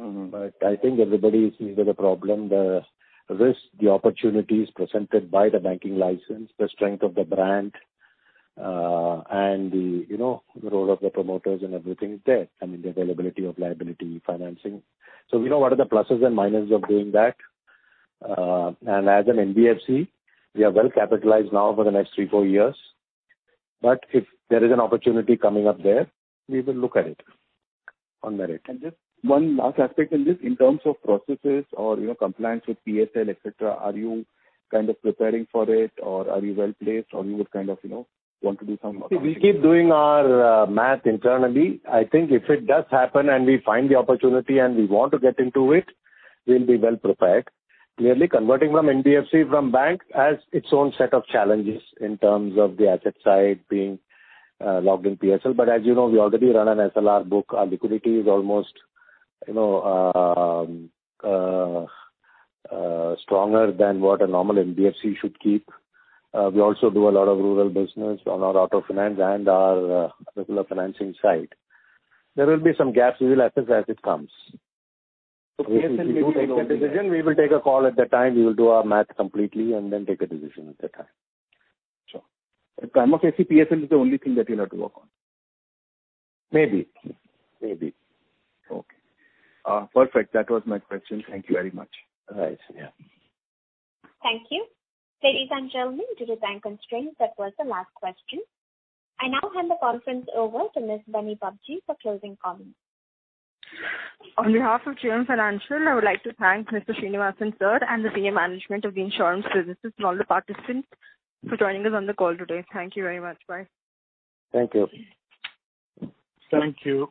I think everybody is seeing the problem, the risk, the opportunities presented by the banking license, the strength of the brand, and the role of the promoters and everything is there. I mean, the availability of liability financing. We know what are the pluses and minuses of doing that. As an NBFC, we are well-capitalized now for the next three, four years. If there is an opportunity coming up there, we will look at it on merit. Just one last aspect in this, in terms of processes or compliance with PSL, et cetera, are you kind of preparing for it or are you well-placed, or you would kind of want to do some? See, we keep doing our math internally. I think if it does happen and we find the opportunity and we want to get into it, we'll be well-prepared. Clearly, converting from NBFC from bank has its own set of challenges in terms of the asset side being logged in PSL. As you know, we already run an SLR book. Our liquidity is almost stronger than what a normal NBFC should keep. We also do a lot of rural business on our auto finance and our regular financing side. There will be some gaps we will assess as it comes. If we do take the decision, we will take a call at that time. We will do our math completely and then take a decision at that time. Sure. From a PSL is the only thing that you'll have to work on. Maybe. Okay. Perfect. That was my question. Thank you very much. All right. Yeah. Thank you. Ladies and gentlemen, due to time constraints, that was the last question. I now hand the conference over to Ms. Bunny Babjee for closing comments. On behalf of JM Financial, I would like to thank Mr. Sreenivasan, sir, and the senior management of the Insurance Services and all the participants for joining us on the call today. Thank you very much. Bye. Thank you. Thank you.